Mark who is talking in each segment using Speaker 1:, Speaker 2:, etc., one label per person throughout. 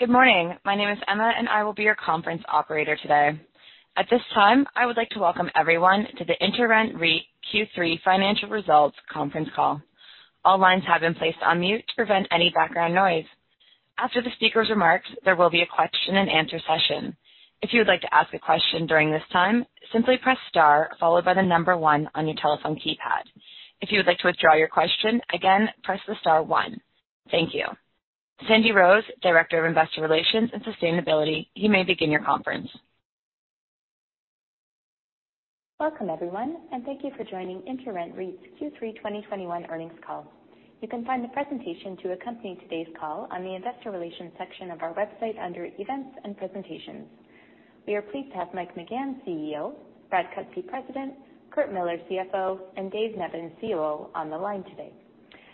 Speaker 1: Good morning. My name is Emma, and I will be your conference operator today. At this time, I would like to welcome everyone to the InterRent REIT Q3 Financial Results conference call. All lines have been placed on mute to prevent any background noise. After the speaker's remarks, there will be a question-and-answer session. If you would like to ask a question during this time, simply press star followed by the number one on your telephone keypad. If you would like to withdraw your question, again, press the star one. Thank you. Sandy Rose, Director of Investor Relations and Sustainability, you may begin your conference.
Speaker 2: Welcome, everyone, and thank you for joining InterRent REIT's Q3 2021 earnings call. You can find the presentation to accompany today's call on the investor relations section of our website under events and presentations. We are pleased to have Mike McGahan, CEO, Brad Cutsey, President, Curt Millar, CFO, and Dave Nevins, COO, on the line today.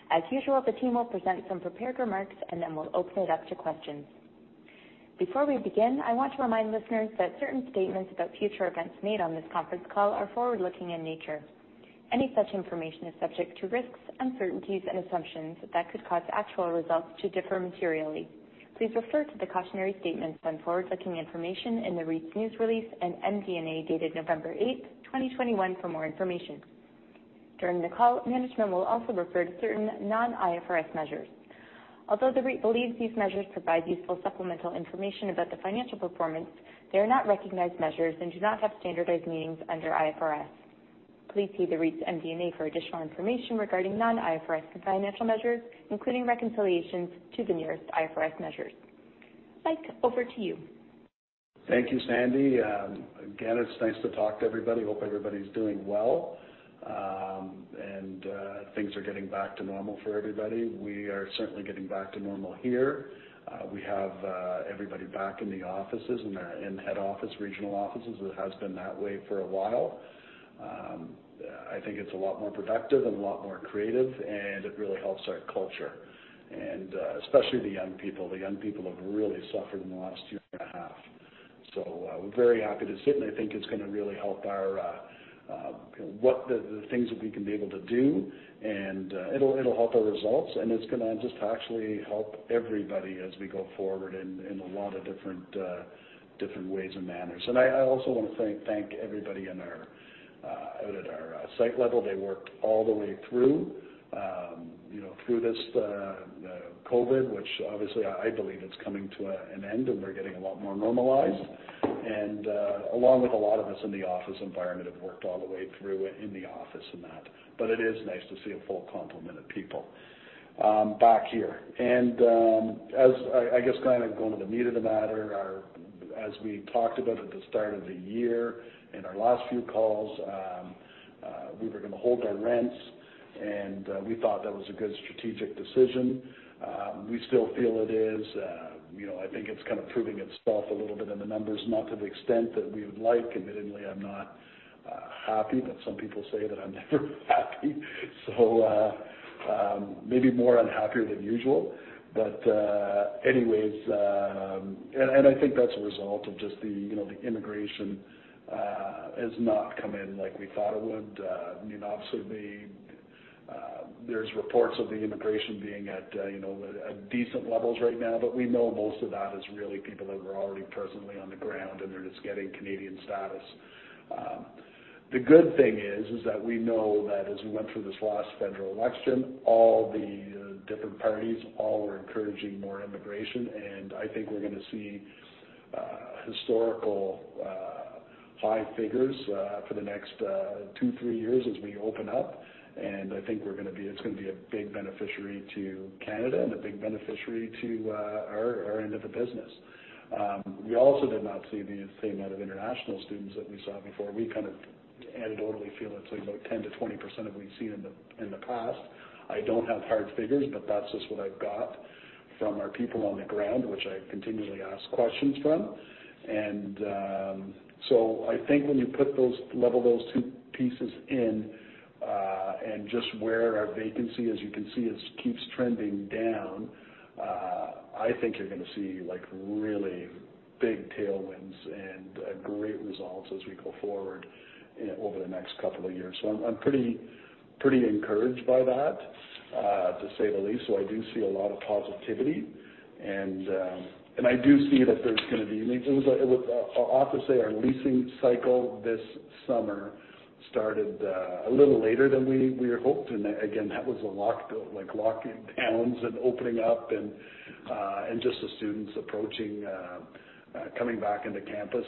Speaker 2: As usual, the team will present some prepared remarks, and then we'll open it up to questions. Before we begin, I want to remind listeners that certain statements about future events made on this conference call are forward-looking in nature. Any such information is subject to risks, uncertainties, and assumptions that could cause actual results to differ materially. Please refer to the cautionary statements on forward-looking information in the REIT's news release and MD&A dated November 8, 2021 for more information. During the call, management will also refer to certain non-IFRS measures. Although the REIT believes these measures provide useful supplemental information about the financial performance, they are not recognized measures and do not have standardized meanings under IFRS. Please see the REIT's MD&A for additional information regarding non-IFRS financial measures, including reconciliations to the nearest IFRS measures. Mike, over to you.
Speaker 3: Thank you, Sandy. Again, it's nice to talk to everybody. Hope everybody's doing well, and things are getting back to normal for everybody. We are certainly getting back to normal here. We have everybody back in the offices, in our head office, regional offices. It has been that way for a while. I think it's a lot more productive and a lot more creative, and it really helps our culture, and especially the young people. The young people have really suffered in the last year and a half. We're very happy to sit, and I think it's gonna really help our the things that we can be able to do, and it'll help our results, and it's gonna just actually help everybody as we go forward in a lot of different ways and manners. I also wanna thank everybody out at our site level. They worked all the way through, you know, through this COVID, which obviously I believe it's coming to an end, and we're getting a lot more normalized. Along with a lot of us in the office environment have worked all the way through in the office and that. It is nice to see a full complement of people back here. As I guess kinda going to the meat of the matter, as we talked about at the start of the year in our last few calls, we were gonna hold our rents, and we thought that was a good strategic decision. We still feel it is. You know, I think it's kind of proving itself a little bit in the numbers, not to the extent that we would like. Admittedly, I'm not happy, but some people say that I'm never happy. Maybe more unhappier than usual. I think that's a result of just the, you know, the immigration has not come in like we thought it would. I mean, obviously, there are reports of the immigration being at, you know, at decent levels right now, but we know most of that is really people that were already personally on the ground and they're just getting Canadian status. The good thing is that we know that as we went through this last federal election, all the different parties all were encouraging more immigration, and I think we're gonna see historical high figures for the next 2-3 years as we open up. I think it's gonna be a big beneficiary to Canada and a big beneficiary to our end of the business. We also did not see the same amount of international students that we saw before. We kind of anecdotally feel it's like about 10%-20% of what we've seen in the past. I don't have hard figures, but that's just what I've got from our people on the ground, which I continually ask questions from. I think when you put those two pieces in and just where our vacancy, as you can see, keeps trending down, I think you're gonna see, like, really big tailwinds and great results as we go forward over the next couple of years. I'm pretty encouraged by that, to say the least. I do see a lot of positivity. I do see that there's gonna be. I mean, it was. I'll often say our leasing cycle this summer started a little later than we had hoped. Again, that was like locking towns and opening up and just the students approaching coming back into campus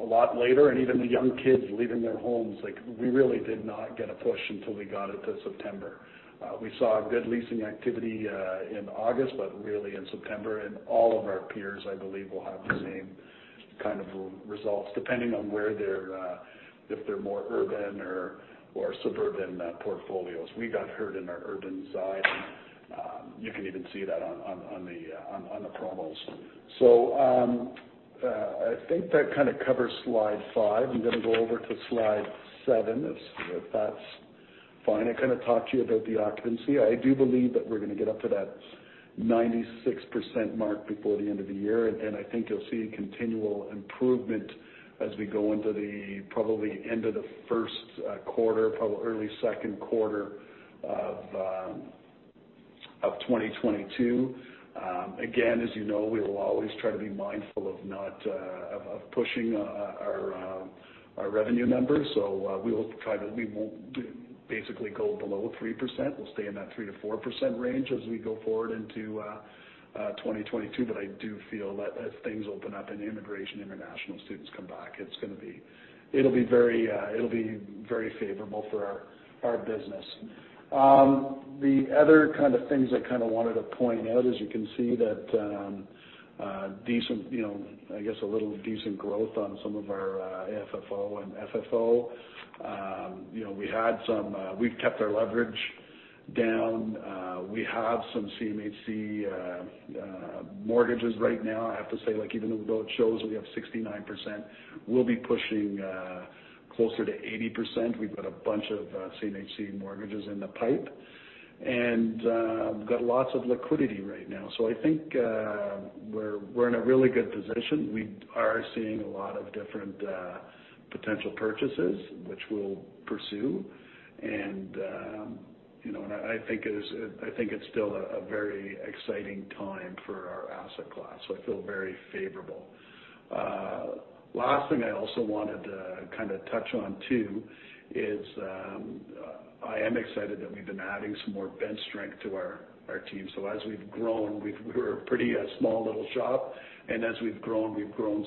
Speaker 3: a lot later and even the young kids leaving their homes. Like, we really did not get a push until we got into September. We saw a good leasing activity in August, but really in September. All of our peers, I believe, will have the same kind of results, depending on where they're if they're more urban or suburban portfolios. We got hurt in our urban side. You can even see that on the promos. I think that kind of covers slide five. I'm gonna go over to slide seven if that's fine. I kind of talked to you about the occupancy. I do believe that we're gonna get up to that 96% mark before the end of the year. I think you'll see a continual improvement as we go into the probably end of the first quarter, probably early second quarter of 2022. Again, as you know, we will always try to be mindful of not pushing our revenue numbers. We will try to. We won't basically go below 3%. We'll stay in that 3%-4% range as we go forward into 2022. I do feel that as things open up and immigration, international students come back, it's gonna be. It'll be very favorable for our business. The other kind of things I kind of wanted to point out, as you can see, that decent, you know, I guess a little decent growth on some of our AFFO and FFO. You know, we've kept our leverage down. We have some CMHC mortgages right now. I have to say, like, even though it shows we have 69%, we'll be pushing closer to 80%. We've got a bunch of CMHC mortgages in the pipe. We've got lots of liquidity right now. I think we're in a really good position. We are seeing a lot of different potential purchases which we'll pursue. You know, I think it's still a very exciting time for our asset class, so I feel very favorable. Last thing I also wanted to kind of touch on too is I am excited that we've been adding some more bench strength to our team. As we've grown, we were a pretty small little shop, and as we've grown, we've grown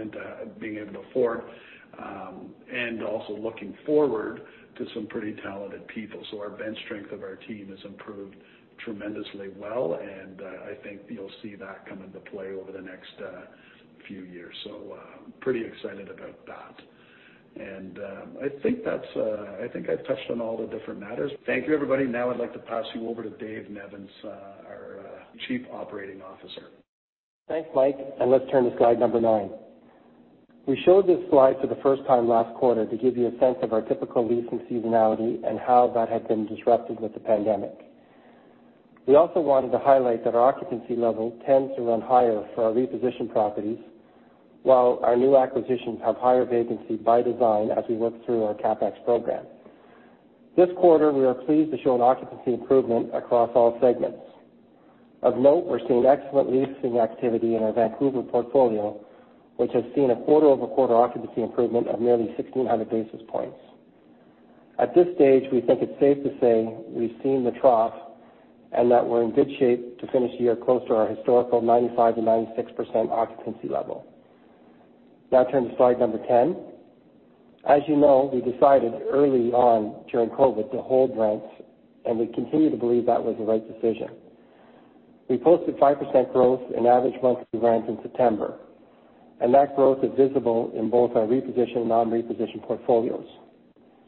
Speaker 3: into being able to afford and also looking forward to some pretty talented people. Our bench strength of our team has improved tremendously well, and I think you'll see that come into play over the next few years. Pretty excited about that. I think that's. I think I've touched on all the different matters. Thank you, everybody. Now I'd like to pass you over to Dave Nevins, our Chief Operating Officer.
Speaker 4: Thanks, Mike, and let's turn to slide nine. We showed this slide for the first time last quarter to give you a sense of our typical leasing seasonality and how that had been disrupted with the pandemic. We also wanted to highlight that our occupancy level tends to run higher for our reposition properties, while our new acquisitions have higher vacancy by design as we work through our CapEx program. This quarter, we are pleased to show an occupancy improvement across all segments. Of note, we're seeing excellent leasing activity in our Vancouver portfolio, which has seen a quarter-over-quarter occupancy improvement of nearly 1,600 basis points. At this stage, we think it's safe to say we've seen the trough and that we're in good shape to finish the year close to our historical 95%-96% occupancy level. Now turn to slide 10. As you know, we decided early on during COVID to hold rents, and we continue to believe that was the right decision. We posted 5% growth in average monthly rents in September, and that growth is visible in both our repositioned and non-repositioned portfolios.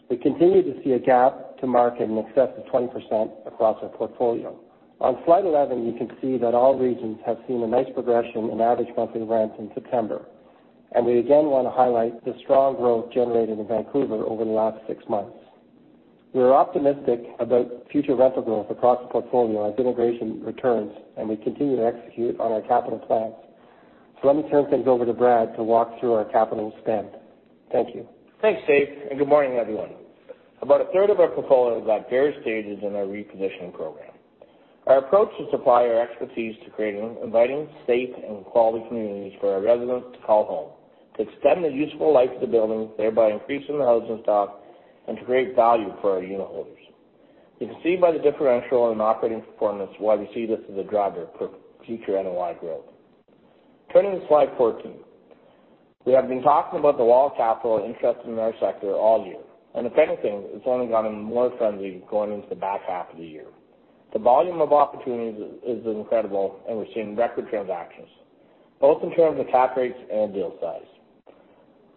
Speaker 4: We continue to see a gap to market in excess of 20% across our portfolio. On slide 11, you can see that all regions have seen a nice progression in average monthly rents in September, and we again want to highlight the strong growth generated in Vancouver over the last six months. We are optimistic about future rental growth across the portfolio as integration returns, and we continue to execute on our capital plans. Let me turn things over to Brad to walk through our capital spend. Thank you.
Speaker 5: Thanks, Dave, and good morning, everyone. About a third of our portfolio is at various stages in our reposition program. Our approach is to apply our expertise to creating inviting, safe, and quality communities for our residents to call home, to extend the useful life of the building, thereby increasing the housing stock, and to create value for our unitholders. You can see by the differential in operating performance why we see this as a driver for future NOI growth. Turning to slide 14. We have been talking about the wall of capital interest in our sector all year. If anything, it's only gotten more friendly going into the back half of the year. The volume of opportunities is incredible, and we're seeing record transactions, both in terms of cap rates and deal size.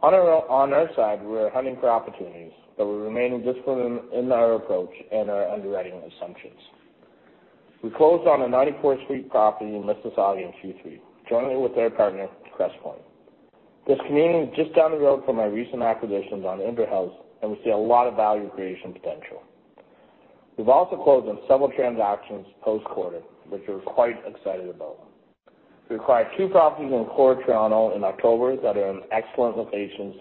Speaker 5: On our side, we're hunting for opportunities, but we're remaining disciplined in our approach and our underwriting assumptions. We closed on a 94-suite property in Mississauga in Q3, jointly with our partner, Crestpoint. This community is just down the road from our recent acquisitions on Inverhouse, and we see a lot of value creation potential. We've also closed on several transactions post-quarter, which we're quite excited about. We acquired two properties in core Toronto in October that are in excellent locations,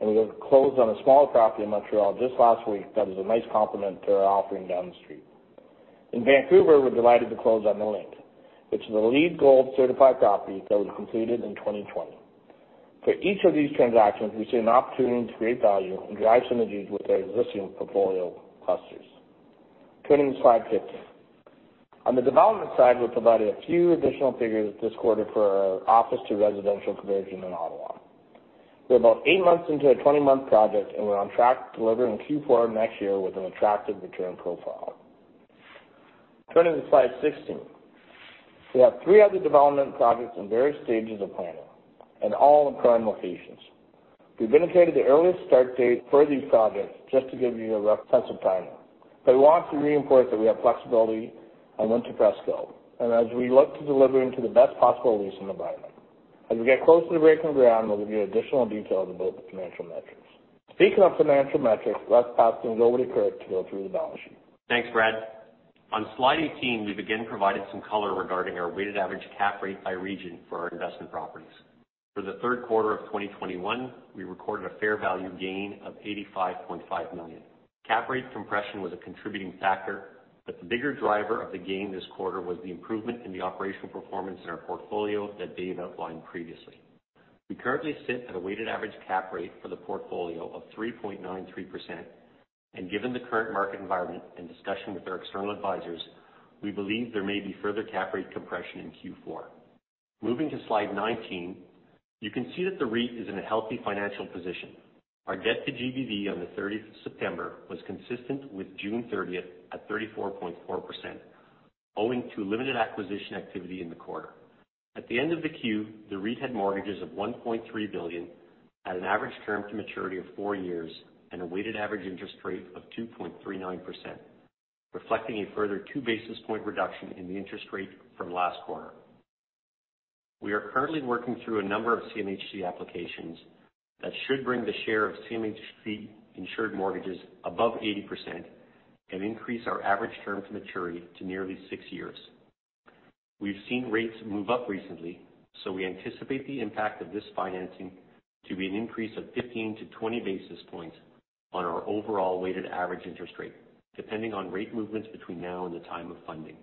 Speaker 5: and we have closed on a smaller property in Montreal just last week that was a nice complement to our offering down the street. In Vancouver, we're delighted to close on The Link, which is a LEED Gold certified property that was completed in 2020. For each of these transactions, we see an opportunity to create value and drive synergies with our existing portfolio clusters. Turning to slide 15. On the development side, we provided a few additional figures this quarter for our office-to-residential conversion in Ottawa. We're about eight months into a 20-month project, and we're on track to deliver in Q4 next year with an attractive return profile. Turning to slide 16. We have three other development projects in various stages of planning and all in prime locations. We've indicated the earliest start date for these projects just to give you a rough sense of timing, but we want to reinforce that we have flexibility and want to proceed to build, and as we look to deliver into the best possible leasing environment. As we get close to breaking ground, we'll give you additional details about the financial metrics. Speaking of financial metrics, let's pass things over to Curt to go through the balance sheet.
Speaker 6: Thanks, Brad. On slide 18, we begin providing some color regarding our weighted average cap rate by region for our investment properties. For the third quarter of 2021, we recorded a fair value gain of 85.5 million. Cap rate compression was a contributing factor, but the bigger driver of the gain this quarter was the improvement in the operational performance in our portfolio that Dave outlined previously. We currently sit at a weighted average cap rate for the portfolio of 3.93%, and given the current market environment and discussion with our external advisors, we believe there may be further cap rate compression in Q4. Moving to slide 19, you can see that the REIT is in a healthy financial position. Our debt-to-GBV on 30th September was consistent with June 30th at 34.4%, owing to limited acquisition activity in the quarter. At the end of the quarter, the REIT had mortgages of 1.3 billion at an average term to maturity of four years and a weighted average interest rate of 2.39%, reflecting a further two basis point reduction in the interest rate from last quarter. We are currently working through a number of CMHC applications that should bring the share of CMHC-insured mortgages above 80% and increase our average term to maturity to nearly six years. We've seen rates move up recently, so we anticipate the impact of this financing to be an increase of 15-20 basis points on our overall weighted average interest rate, depending on rate movements between now and the time of funding.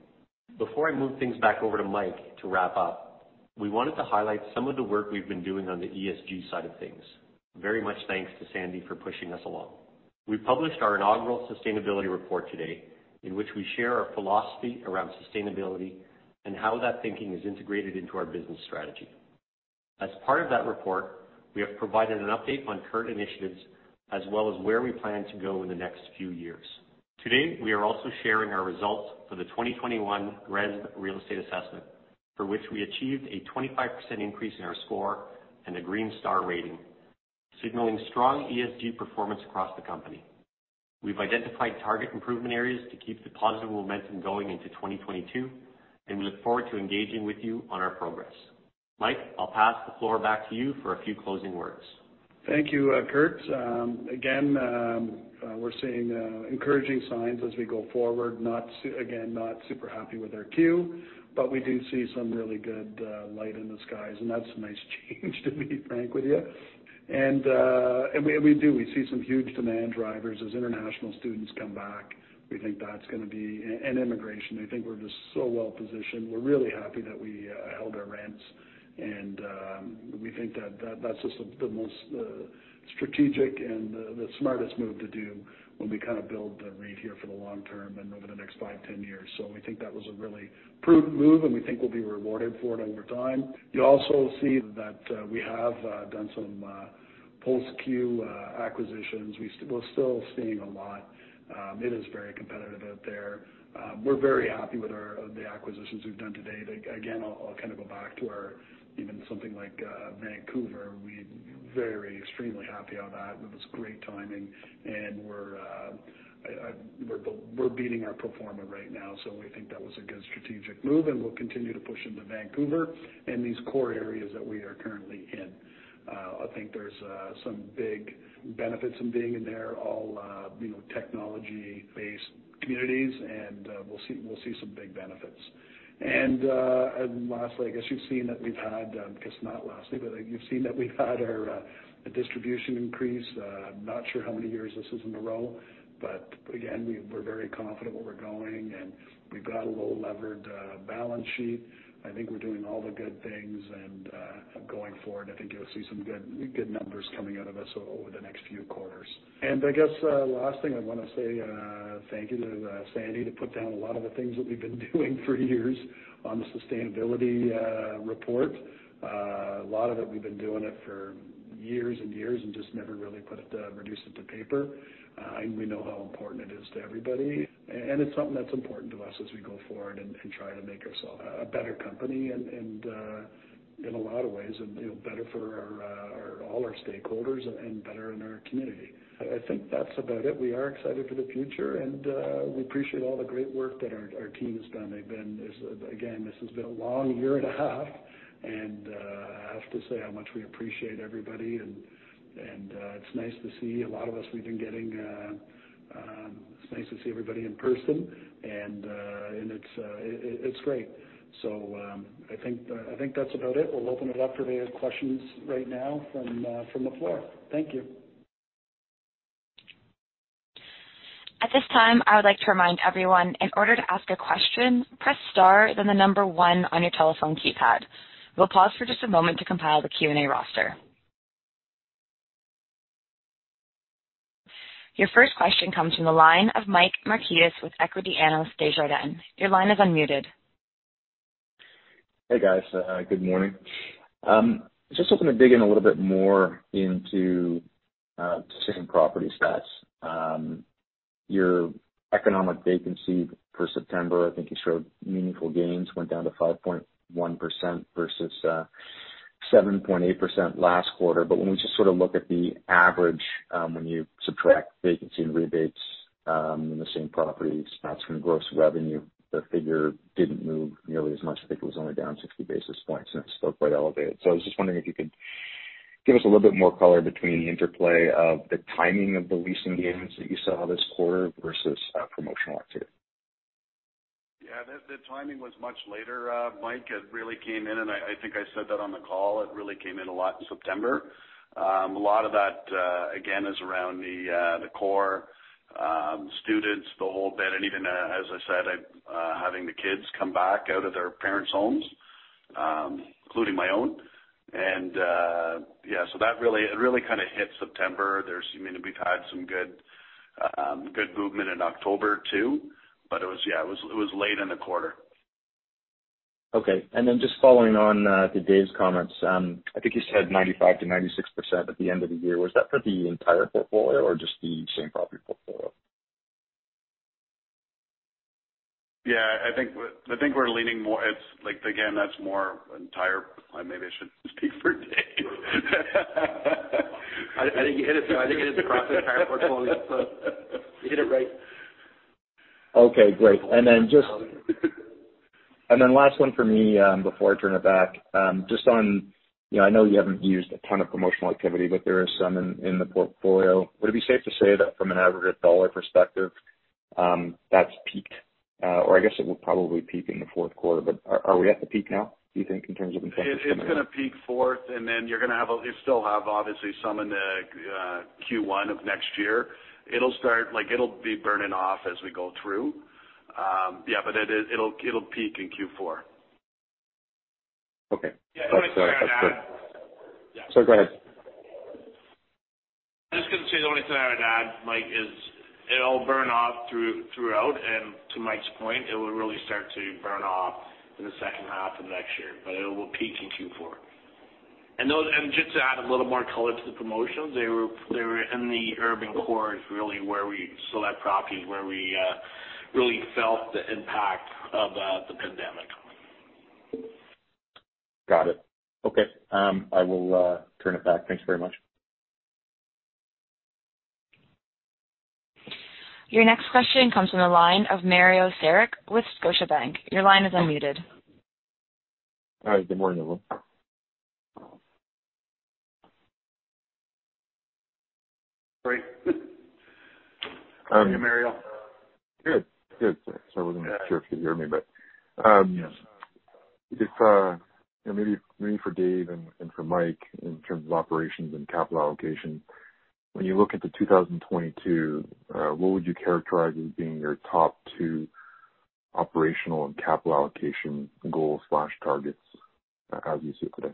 Speaker 6: Before I move things back over to Mike to wrap up, we wanted to highlight some of the work we've been doing on the ESG side of things. Very much thanks to Sandy for pushing us along. We published our inaugural sustainability report today, in which we share our philosophy around sustainability and how that thinking is integrated into our business strategy. As part of that report, we have provided an update on current initiatives as well as where we plan to go in the next few years. Today, we are also sharing our results for the 2021 GRESB Real Estate Assessment, for which we achieved a 25% increase in our score and a green star rating, signaling strong ESG performance across the company. We've identified target improvement areas to keep the positive momentum going into 2022, and we look forward to engaging with you on our progress. Mike, I'll pass the floor back to you for a few closing words.
Speaker 3: Thank you, Curt. Again, we're seeing encouraging signs as we go forward. Again, not super happy with our quarter, but we do see some really good light in the skies, and that's a nice change to be frank with you. We do see some huge demand drivers as international students come back. We think that's gonna be and immigration. I think we're just so well-positioned. We're really happy that we held our rents and we think that's just the most strategic and the smartest move to do when we kind of build the REIT here for the long term and over the next 5-10 years. We think that was a really prudent move, and we think we'll be rewarded for it over time. You also see that we have done some post-Q acquisitions. We're still seeing a lot. It is very competitive out there. We're very happy with the acquisitions we've done to date. Again, I'll kind of go back to, even something like Vancouver. We're very extremely happy on that. It was great timing, and we're beating our pro forma right now, so we think that was a good strategic move, and we'll continue to push into Vancouver and these core areas that we are currently in. I think there's some big benefits in being in there, all you know, technology-based communities and we'll see some big benefits. Last, I guess you've seen that we've had our distribution increase. Not sure how many years this is in a row, but again, we're very confident where we're going, and we've got a well-levered balance sheet. I think we're doing all the good things and going forward, I think you'll see some good numbers coming out of us over the next few quarters. I guess last thing I wanna say, thank you to Sandy to put down a lot of the things that we've been doing for years on the sustainability report. A lot of it, we've been doing it for years and years and just never really put it reduced it to paper. We know how important it is to everybody, and it's something that's important to us as we go forward and try to make a better company and, in a lot of ways, you know, better for all our stakeholders and better in our community. I think that's about it. We are excited for the future and we appreciate all the great work that our team has done. This has been a long year and a half and I have to say how much we appreciate everybody and it's nice to see a lot of us. It's nice to see everybody in person and it's great. I think that's about it. We'll open it up for any questions right now from the floor. Thank you.
Speaker 1: At this time, I would like to remind everyone, in order to ask a question, press star then the number one on your telephone keypad. We'll pause for just a moment to compile the Q&A roster. Your first question comes from the line of Mike Markidis with Desjardins. Your line is unmuted.
Speaker 7: Hey, guys. Good morning. Just hoping to dig in a little bit more into same property stats. Your economic vacancy for September, I think you showed meaningful gains, went down to 5.1% versus 7.8% last quarter. When we just sort of look at the average, when you subtract vacancy and rebates in the same property stats from gross revenue, the figure didn't move nearly as much. I think it was only down 60 basis points, and it's still quite elevated. I was just wondering if you could give us a little bit more color between the interplay of the timing of the leasing gains that you saw this quarter versus promotional activity.
Speaker 3: The timing was much later, Mike. It really came in and I think I said that on the call. It really came in a lot in September. A lot of that again is around the core students, the whole bit. Even as I said, having the kids come back out of their parents' homes, including my own. Yeah. That really kind of hit September. We've had some good movement in October too, but it was late in the quarter.
Speaker 7: Okay. Just following on to Dave's comments, I think you said 95%-96% at the end of the year. Was that for the entire portfolio or just the same property portfolio?
Speaker 3: Yeah, I think we're leaning more. It's like, again, that's more in there. Maybe I should speak for Dave.
Speaker 5: I think you hit it though. I think it is across the entire portfolio. You hit it right.
Speaker 7: Okay, great. Last one for me before I turn it back, just on, you know, I know you haven't used a ton of promotional activity, but there is some in the portfolio. Would it be safe to say that from an aggregate dollar perspective, that's peaked? Or I guess it will probably peak in the fourth quarter, but are we at the peak now, do you think, in terms of incentive coming out?
Speaker 5: It's gonna peak fourth and then you still have obviously some in the Q1 of next year. It'll start like it'll be burning off as we go through. Yeah, but it is, it'll peak in Q4.
Speaker 7: Okay.
Speaker 3: Yeah.
Speaker 5: The only thing I would add.
Speaker 3: Yeah.
Speaker 7: Sorry, go ahead.
Speaker 5: I was just gonna say the only thing I would add, Mike, is it'll burn off throughout, and to Mike's point, it will really start to burn off in the second half of next year, but it will peak in Q4. Those, just to add a little more color to the promotions, they were in the urban cores, really where we select properties where we really felt the impact of the pandemic.
Speaker 7: Got it. Okay. I will turn it back. Thanks very much.
Speaker 1: Your next question comes from the line of Mario Saric with Scotiabank. Your line is unmuted.
Speaker 8: Hi, good morning, everyone.
Speaker 3: Great. How are you, Mario?
Speaker 8: Good, good. Sorry, I wasn't sure if you could hear me, but.
Speaker 3: Yeah.
Speaker 8: Just maybe for Dave and for Mike in terms of operations and capital allocation. When you look into 2022, what would you characterize as being your top two operational and capital allocation goals/targets as you see today?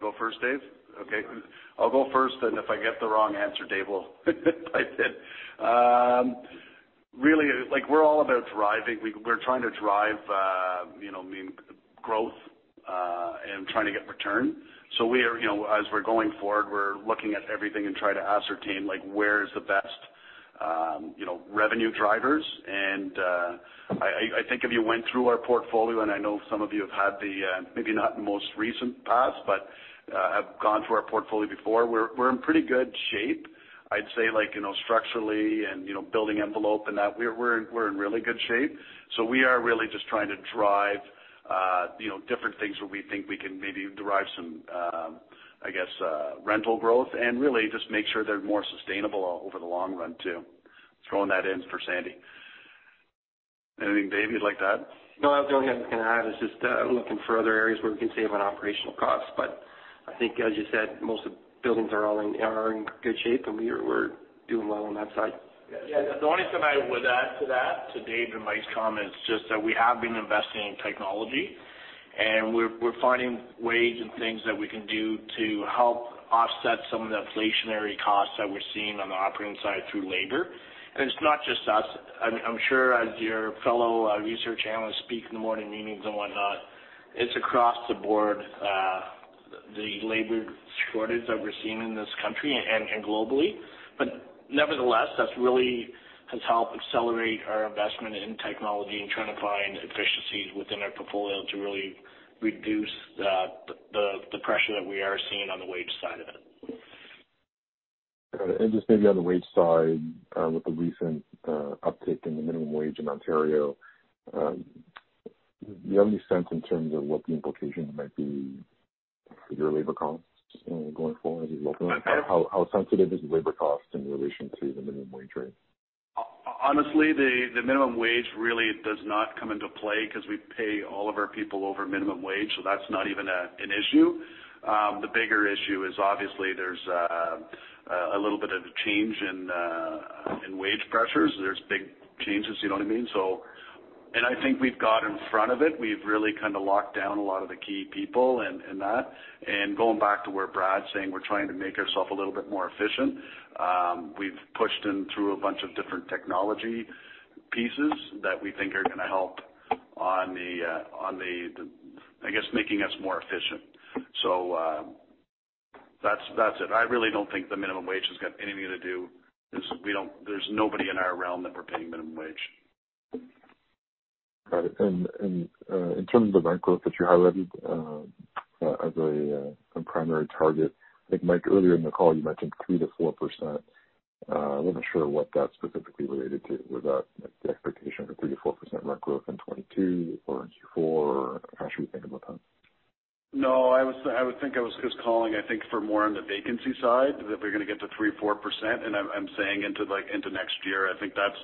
Speaker 3: Go first, Dave? Okay. I'll go first, and if I get the wrong answer, Dave will pipe in. Really, like we're all about driving. We're trying to drive, you know, I mean, growth, and trying to get return. We are, you know, as we're going forward, we're looking at everything and trying to ascertain, like, where is the best, you know, revenue drivers. I think if you went through our portfolio, and I know some of you have had the, maybe not most recent past, but, have gone through our portfolio before, we're in pretty good shape. I'd say, like, you know, structurally and, you know, building envelope and that, we're in really good shape. We are really just trying to drive, you know, different things where we think we can maybe derive some, I guess, rental growth and really just make sure they're more sustainable over the long run too. Throwing that in for Sandy. Anything Dave you'd like to add?
Speaker 4: No, the only thing I was gonna add is just looking for other areas where we can save on operational costs. I think as you said, most of the buildings are in good shape and we're doing well on that side.
Speaker 6: Yeah. The only thing I would add to that, to Dave and Mike's comments, just that we have been investing in technology and we're finding ways and things that we can do to help offset some of the inflationary costs that we're seeing on the operating side through labor. It's not just us. I'm sure as your fellow research analysts speak in the morning meetings and whatnot, it's across the board, the labor shortage that we're seeing in this country and globally. Nevertheless, that's really has helped accelerate our investment in technology and trying to find efficiencies within our portfolio to really reduce the pressure that we are seeing on the wage side of it.
Speaker 8: Just maybe on the wage side, with the recent uptick in the minimum wage in Ontario, do you have any sense in terms of what the implications might be for your labor costs going forward as you look? How sensitive is labor cost in relation to the minimum wage rate?
Speaker 3: Honestly, the minimum wage really does not come into play 'cause we pay all of our people over minimum wage, so that's not even an issue. The bigger issue is obviously there's a little bit of a change in wage pressures. There's big changes, you know what I mean? I think we've got in front of it, we've really kind of locked down a lot of the key people in that. Going back to what Brad's saying, we're trying to make ourself a little bit more efficient. We've pushed in through a bunch of different technology pieces that we think are gonna help on the, on the, I guess, making us more efficient. That's it. I really don't think the minimum wage has got anything to do, 'cause there's nobody in our realm that we're paying minimum wage.
Speaker 8: Got it. In terms of the rent growth that you highlighted, as a primary target, I think Mike earlier in the call you mentioned 3%-4%. I wasn't sure what that's specifically related to. Was that the expectation of a 3%-4% rent growth in 2022 or in Q4? How should we think about that?
Speaker 3: No, I would think I was just calling for more on the vacancy side, that we're gonna get to 3%-4%. I'm saying into like, into next year. I think that's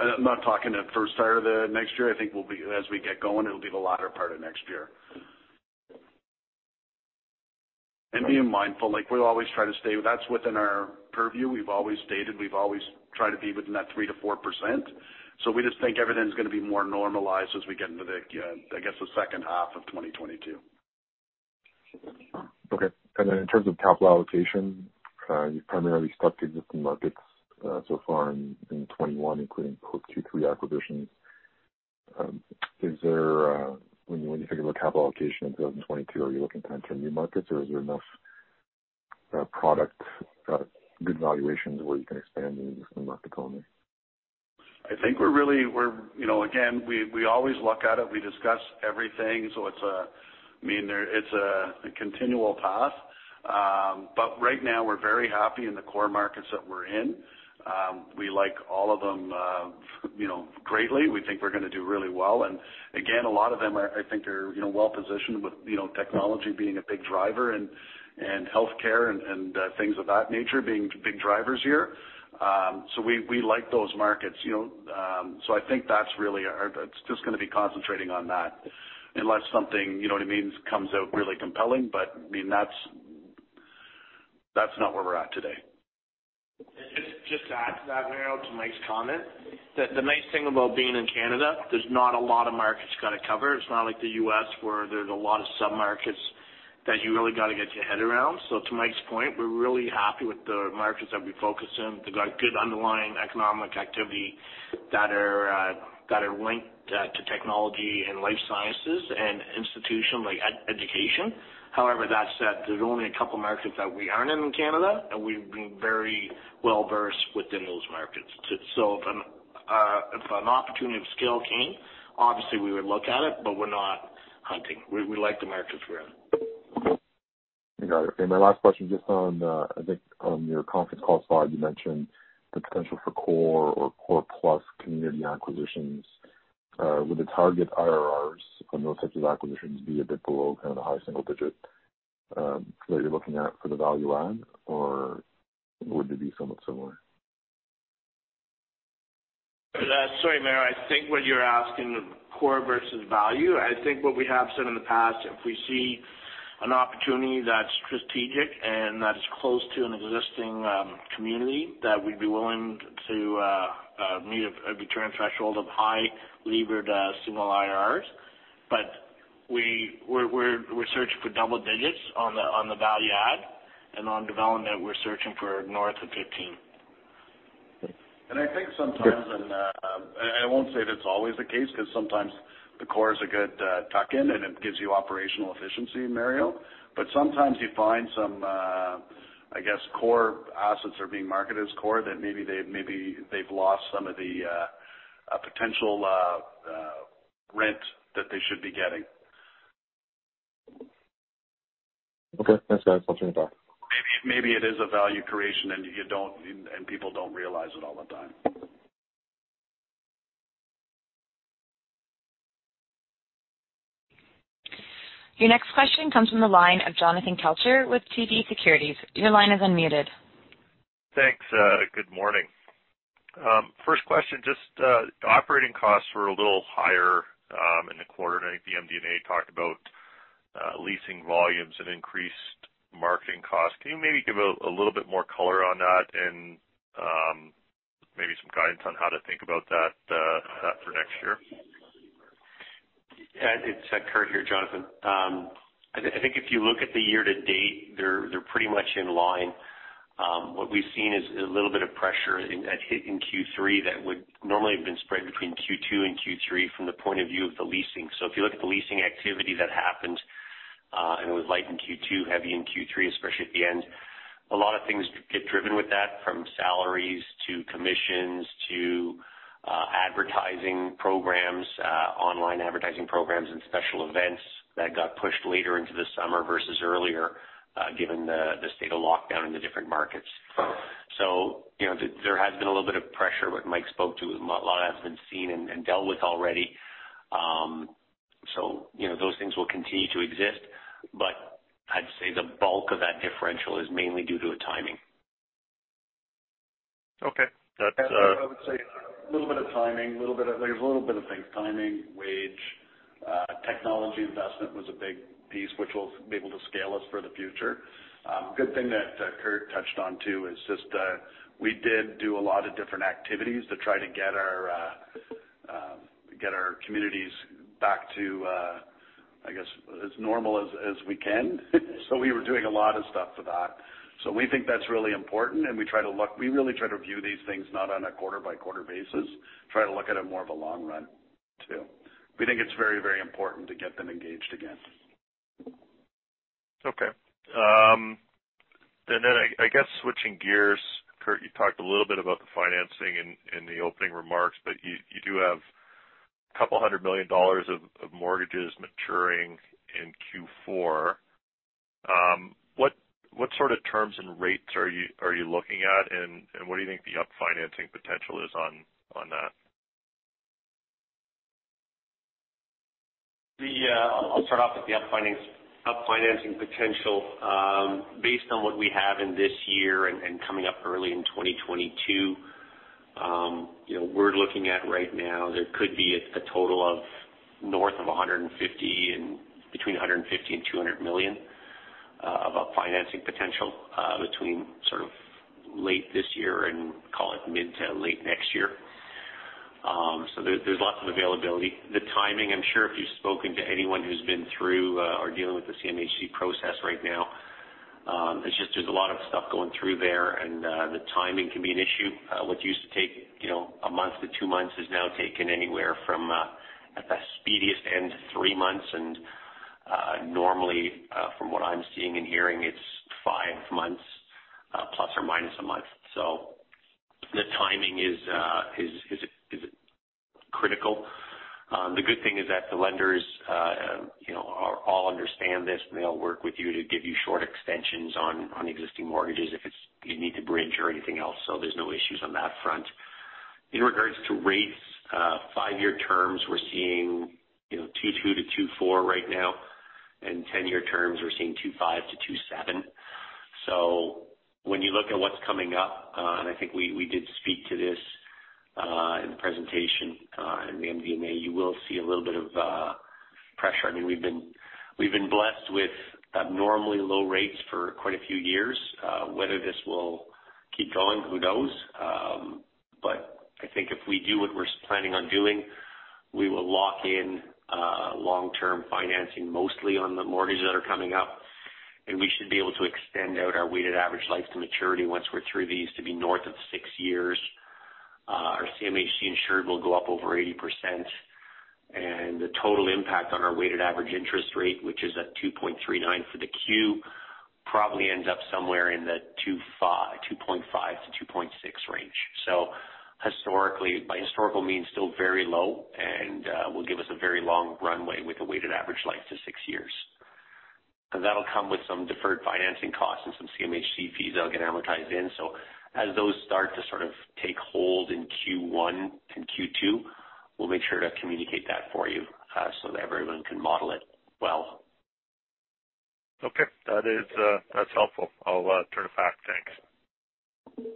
Speaker 3: and I'm not talking the first part of the next year. I think we'll be as we get going, it'll be the latter part of next year. Being mindful, like we always try to stay, that's within our purview. We've always stated, we've always tried to be within that 3%-4%. We just think everything's gonna be more normalized as we get into the, I guess, the second half of 2022.
Speaker 8: Okay. In terms of capital allocation, you primarily stuck to existing markets so far in 2021, including two or three acquisitions. When you think about capital allocation in 2022, are you looking to enter new markets or is there enough product good valuations where you can expand in an existing market only?
Speaker 3: I think we're really, you know, again, we always look at it. We discuss everything, so it's a, I mean, there, it's a continual path. Right now we're very happy in the core markets that we're in. We like all of them, you know, greatly. We think we're gonna do really well. Again, a lot of them are, I think they're, you know, well positioned with, you know, technology being a big driver and things of that nature being big drivers here. We like those markets, you know. I think that's really our, it's just gonna be concentrating on that unless something, you know what I mean, comes out really compelling. I mean, that's not where we're at today.
Speaker 5: Just to add to that, Mario, to Mike's comment, the nice thing about being in Canada, there's not a lot of markets you gotta cover. It's not like the U.S. where there's a lot of sub-markets that you really gotta get your head around. To Mike's point, we're really happy with the markets that we focus in. They've got good underlying economic activity that are linked to technology and life sciences and institutions like education. However, that said, there's only a couple markets that we aren't in Canada, and we've been very well-versed within those markets. If an opportunity of scale came, obviously we would look at it, but we're not hunting. We like the markets we're in.
Speaker 8: I got it. My last question, just on, I think on your conference call slide, you mentioned the potential for core or core plus community acquisitions. Would the target IRRs on those types of acquisitions be a bit below kind of the high single digit that you're looking at for the value add, or would they be somewhat similar?
Speaker 5: Sorry, Mario. I think what you're asking, core versus value. I think what we have said in the past, if we see an opportunity that's strategic and that is close to an existing community, that we'd be willing to meet a return threshold of highly levered single IRRs. But we're searching for double digits on the value add. On development, we're searching for north of 15.
Speaker 3: I think sometimes I won't say that's always the case, 'cause sometimes the core is a good tuck-in, and it gives you operational efficiency, Mario. Sometimes you find some I guess, core assets are being marketed as core that maybe they've lost some of the potential rent that they should be getting.
Speaker 8: Okay. Thanks, guys. I'll turn it back.
Speaker 3: Maybe it is a value creation and you don't and people don't realize it all the time.
Speaker 1: Your next question comes from the line of Jonathan Kelcher with TD Securities. Your line is unmuted.
Speaker 9: Thanks, good morning. First question, just, operating costs were a little higher in the quarter, and I think the MD&A talked about leasing volumes and increased marketing costs. Can you maybe give a little bit more color on that and maybe some guidance on how to think about that for next year?
Speaker 6: Yeah, it's Curt here, Jonathan. I think if you look at the year to date, they're pretty much in line. What we've seen is a little bit of pressure in Q3 that would normally have been spread between Q2 and Q3 from the point of view of the leasing. If you look at the leasing activity that happened, and it was light in Q2, heavy in Q3, especially at the end, a lot of things get driven with that, from salaries to commissions to advertising programs, online advertising programs and special events that got pushed later into the summer versus earlier, given the state of lockdown in the different markets. You know, there has been a little bit of pressure, what Mike spoke to. A lot of that's been seen and dealt with already. You know, those things will continue to exist, but I'd say the bulk of that differential is mainly due to a timing.
Speaker 9: Okay. That's.
Speaker 3: I would say a little bit of timing, a little bit of things, timing, wage, technology investment was a big piece which will be able to scale us for the future. Good thing that Curt touched on too is just we did do a lot of different activities to try to get our communities back to I guess as normal as we can. We were doing a lot of stuff for that. We think that's really important, and we really try to view these things not on a quarter-by-quarter basis, try to look at it more of a long run too. We think it's very, very important to get them engaged again.
Speaker 9: Okay. I guess switching gears, Curt, you talked a little bit about the financing in the opening remarks, but you do have 200 million dollars of mortgages maturing in Q4. What sort of terms and rates are you looking at, and what do you think the refinancing potential is on that?
Speaker 6: I'll start off with the up financing potential. Based on what we have in this year and coming up early in 2022, you know, we're looking at right now there could be a total of north of 150 and between 150 million and 200 million of financing potential between sort of late this year and call it mid to late next year. So there's lots of availability. The timing, I'm sure if you've spoken to anyone who's been through or dealing with the CMHC process right now, it's just there's a lot of stuff going through there and the timing can be an issue. What used to take, you know, a month to two months has now taken anywhere from at the speediest end, three months. Normally, from what I'm seeing and hearing, it's five months ±1 month. The timing is critical. The good thing is that the lenders, you know, all understand this. They all work with you to give you short extensions on existing mortgages if you need to bridge or anything else. So there's no issues on that front. In regards to rates, five-year terms, we're seeing, you know, 2.2%-2.4% right now, and ten-year terms, we're seeing 2.5%-2.7%. When you look at what's coming up, I think we did speak to this in the presentation, in the MD&A, you will see a little bit of pressure. I mean, we've been blessed with abnormally low rates for quite a few years. Whether this will keep going, who knows? I think if we do what we're planning on doing, we will lock in long-term financing mostly on the mortgages that are coming up, and we should be able to extend out our weighted average life to maturity once we're through these to be north of six years. Our CMHC insured will go up over 80%. The total impact on our weighted average interest rate, which is at 2.39% for the quarter, probably ends up somewhere in the 2.5%-2.6% range. Historically, by historical means, still very low and will give us a very long runway with a weighted average life to six years. That'll come with some deferred financing costs and some CMHC fees that'll get amortized in. As those start to sort of take hold in Q1 and Q2, we'll make sure to communicate that for you, so that everyone can model it well.
Speaker 9: Okay. That is, that's helpful. I'll turn it back. Thanks.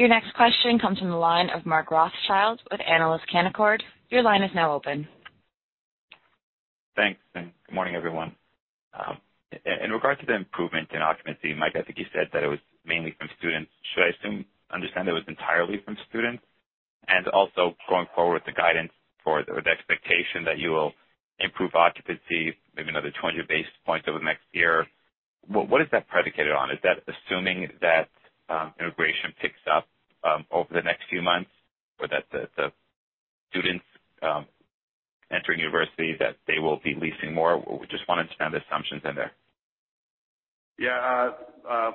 Speaker 1: Your next question comes from the line of Mark Rothschild with Canaccord. Your line is now open.
Speaker 10: Thanks, and good morning, everyone. In regard to the improvement in occupancy, Mike, I think you said that it was mainly from students. Should I understand that it was entirely from students? Also going forward, the guidance for or the expectation that you will improve occupancy, maybe another 20 basis points over the next year, what is that predicated on? Is that assuming that immigration picks up over the next few months or that the students entering university, that they will be leasing more? We just want to understand the assumptions in there.
Speaker 3: Yeah.